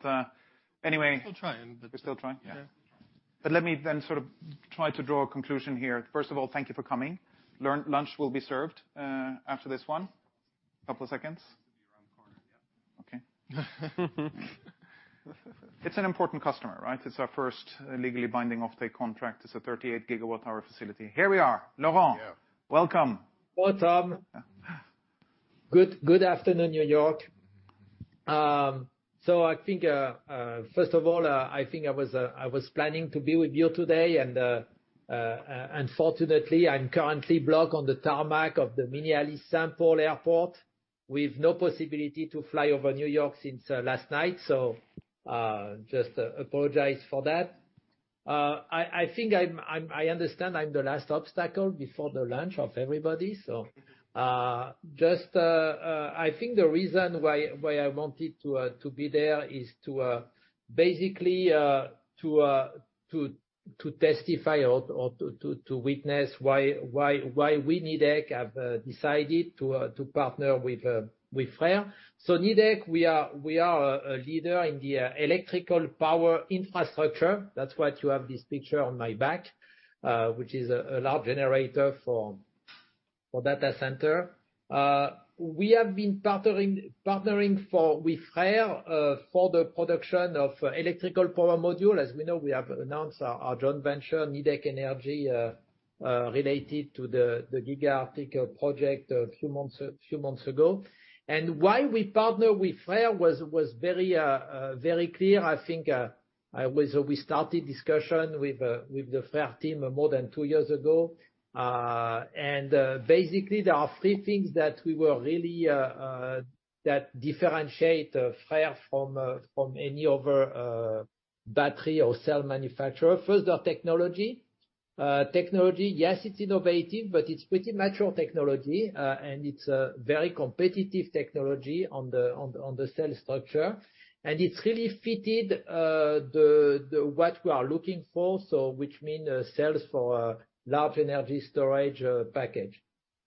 anyway. We're still trying. We're still trying? Yeah. Let me sort of try to draw a conclusion here. First of all, thank you for coming. Lunch will be served, after this one, couple of seconds. Around the corner, yeah. Okay. It's an important customer, right? It's our first legally binding offtake contract. It's a 38 GWh facility. Here we are. Laurent? Yeah. Welcome. Well Tom. Good afternoon, New York. I think, first of all, I was planning to be with you today, unfortunately, I'm currently blocked on the tarmac of the Minneapolis airport, with no possibility to fly over New York since last night. Just apologize for that. I think I'm I understand I'm the last obstacle before the lunch of everybody, just I think the reason why I wanted to be there is to basically to testify or to witness why we, Nidec, have decided to partner with FREYR. Nidec, we are a leader in the electrical power infrastructure. That's why you have this picture on my back, which is a large generator for data center. We have been partnering with FREYR for the production of electrical power module. As we know, we have announced our joint venture, Nidec Energy, related to the Giga Arctic project a few months ago. Why we partner with FREYR was very clear. I think, we started discussion with the FREYR team more than two years ago. Basically, there are three things that we were really that differentiate FREYR from any other battery or cell manufacturer. First, their technology. Technology, yes, it's innovative, but it's pretty natural technology, and it's a very competitive technology on the, on the, on the cell structure. It's really fitted, the what we are looking for, so which mean, cells for large energy storage package.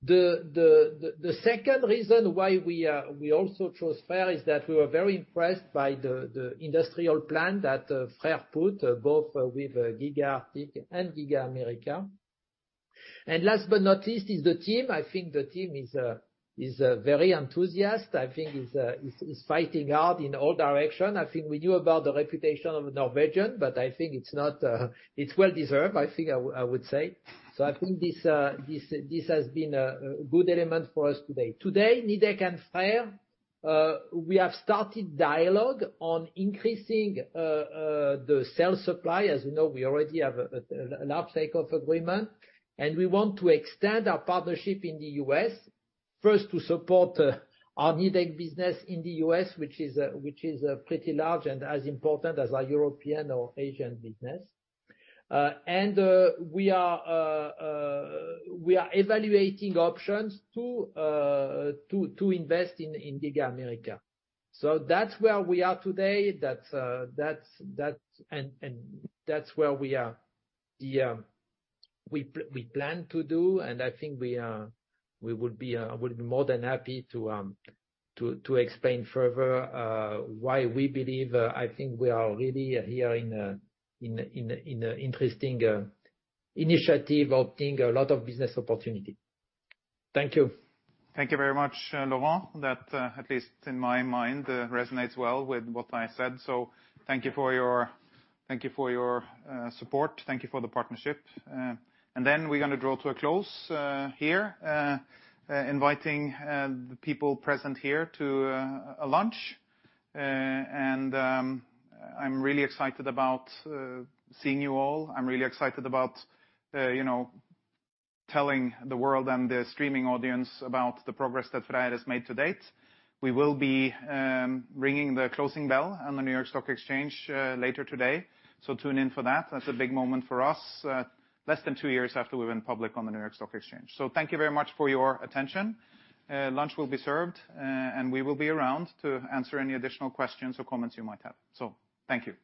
The second reason why we also chose FREYR is that we were very impressed by the industrial plan that FREYR put both with Giga Arctic and Giga America. Last but not least, is the team. I think the team is very enthusiast. I think is fighting hard in all direction. I think we knew about the reputation of Norwegian, but I think it's not, it's well-deserved, I think I would say. I think this has been a good element for us today. Today, Nidec and FREYR, we have started dialogue on increasing the cell supply. As you know, we already have an off-take of agreement, and we want to extend our partnership in the U.S., first to support our Nidec business in the U.S., which is pretty large and as important as our European or Asian business. We are evaluating options to invest in Giga America, that's where we are today, that's where we are. The, we plan to do, I think we would be more than happy to explain further why we believe, I think we are really here in an interesting initiative of getting a lot of business opportunity. Thank you. Thank you very much Laurent that, at least in my mind, resonates well with what I said. Thank you for your support. Then we're gonna draw to a close here inviting the people present here to a lunch. I'm really excited about seeing you all. I'm really excited about, you know, telling the world and the streaming audience about the progress that FREYR has made to date. We will be ringing the closing bell on the New York Stock Exchange later today. Tune in for that. That's a big moment for us less than two years after we went public on the New York Stock Exchange. Thank you very much for your attention. Lunch will be served, and we will be around to answer any additional questions or comments you might have. Thank you.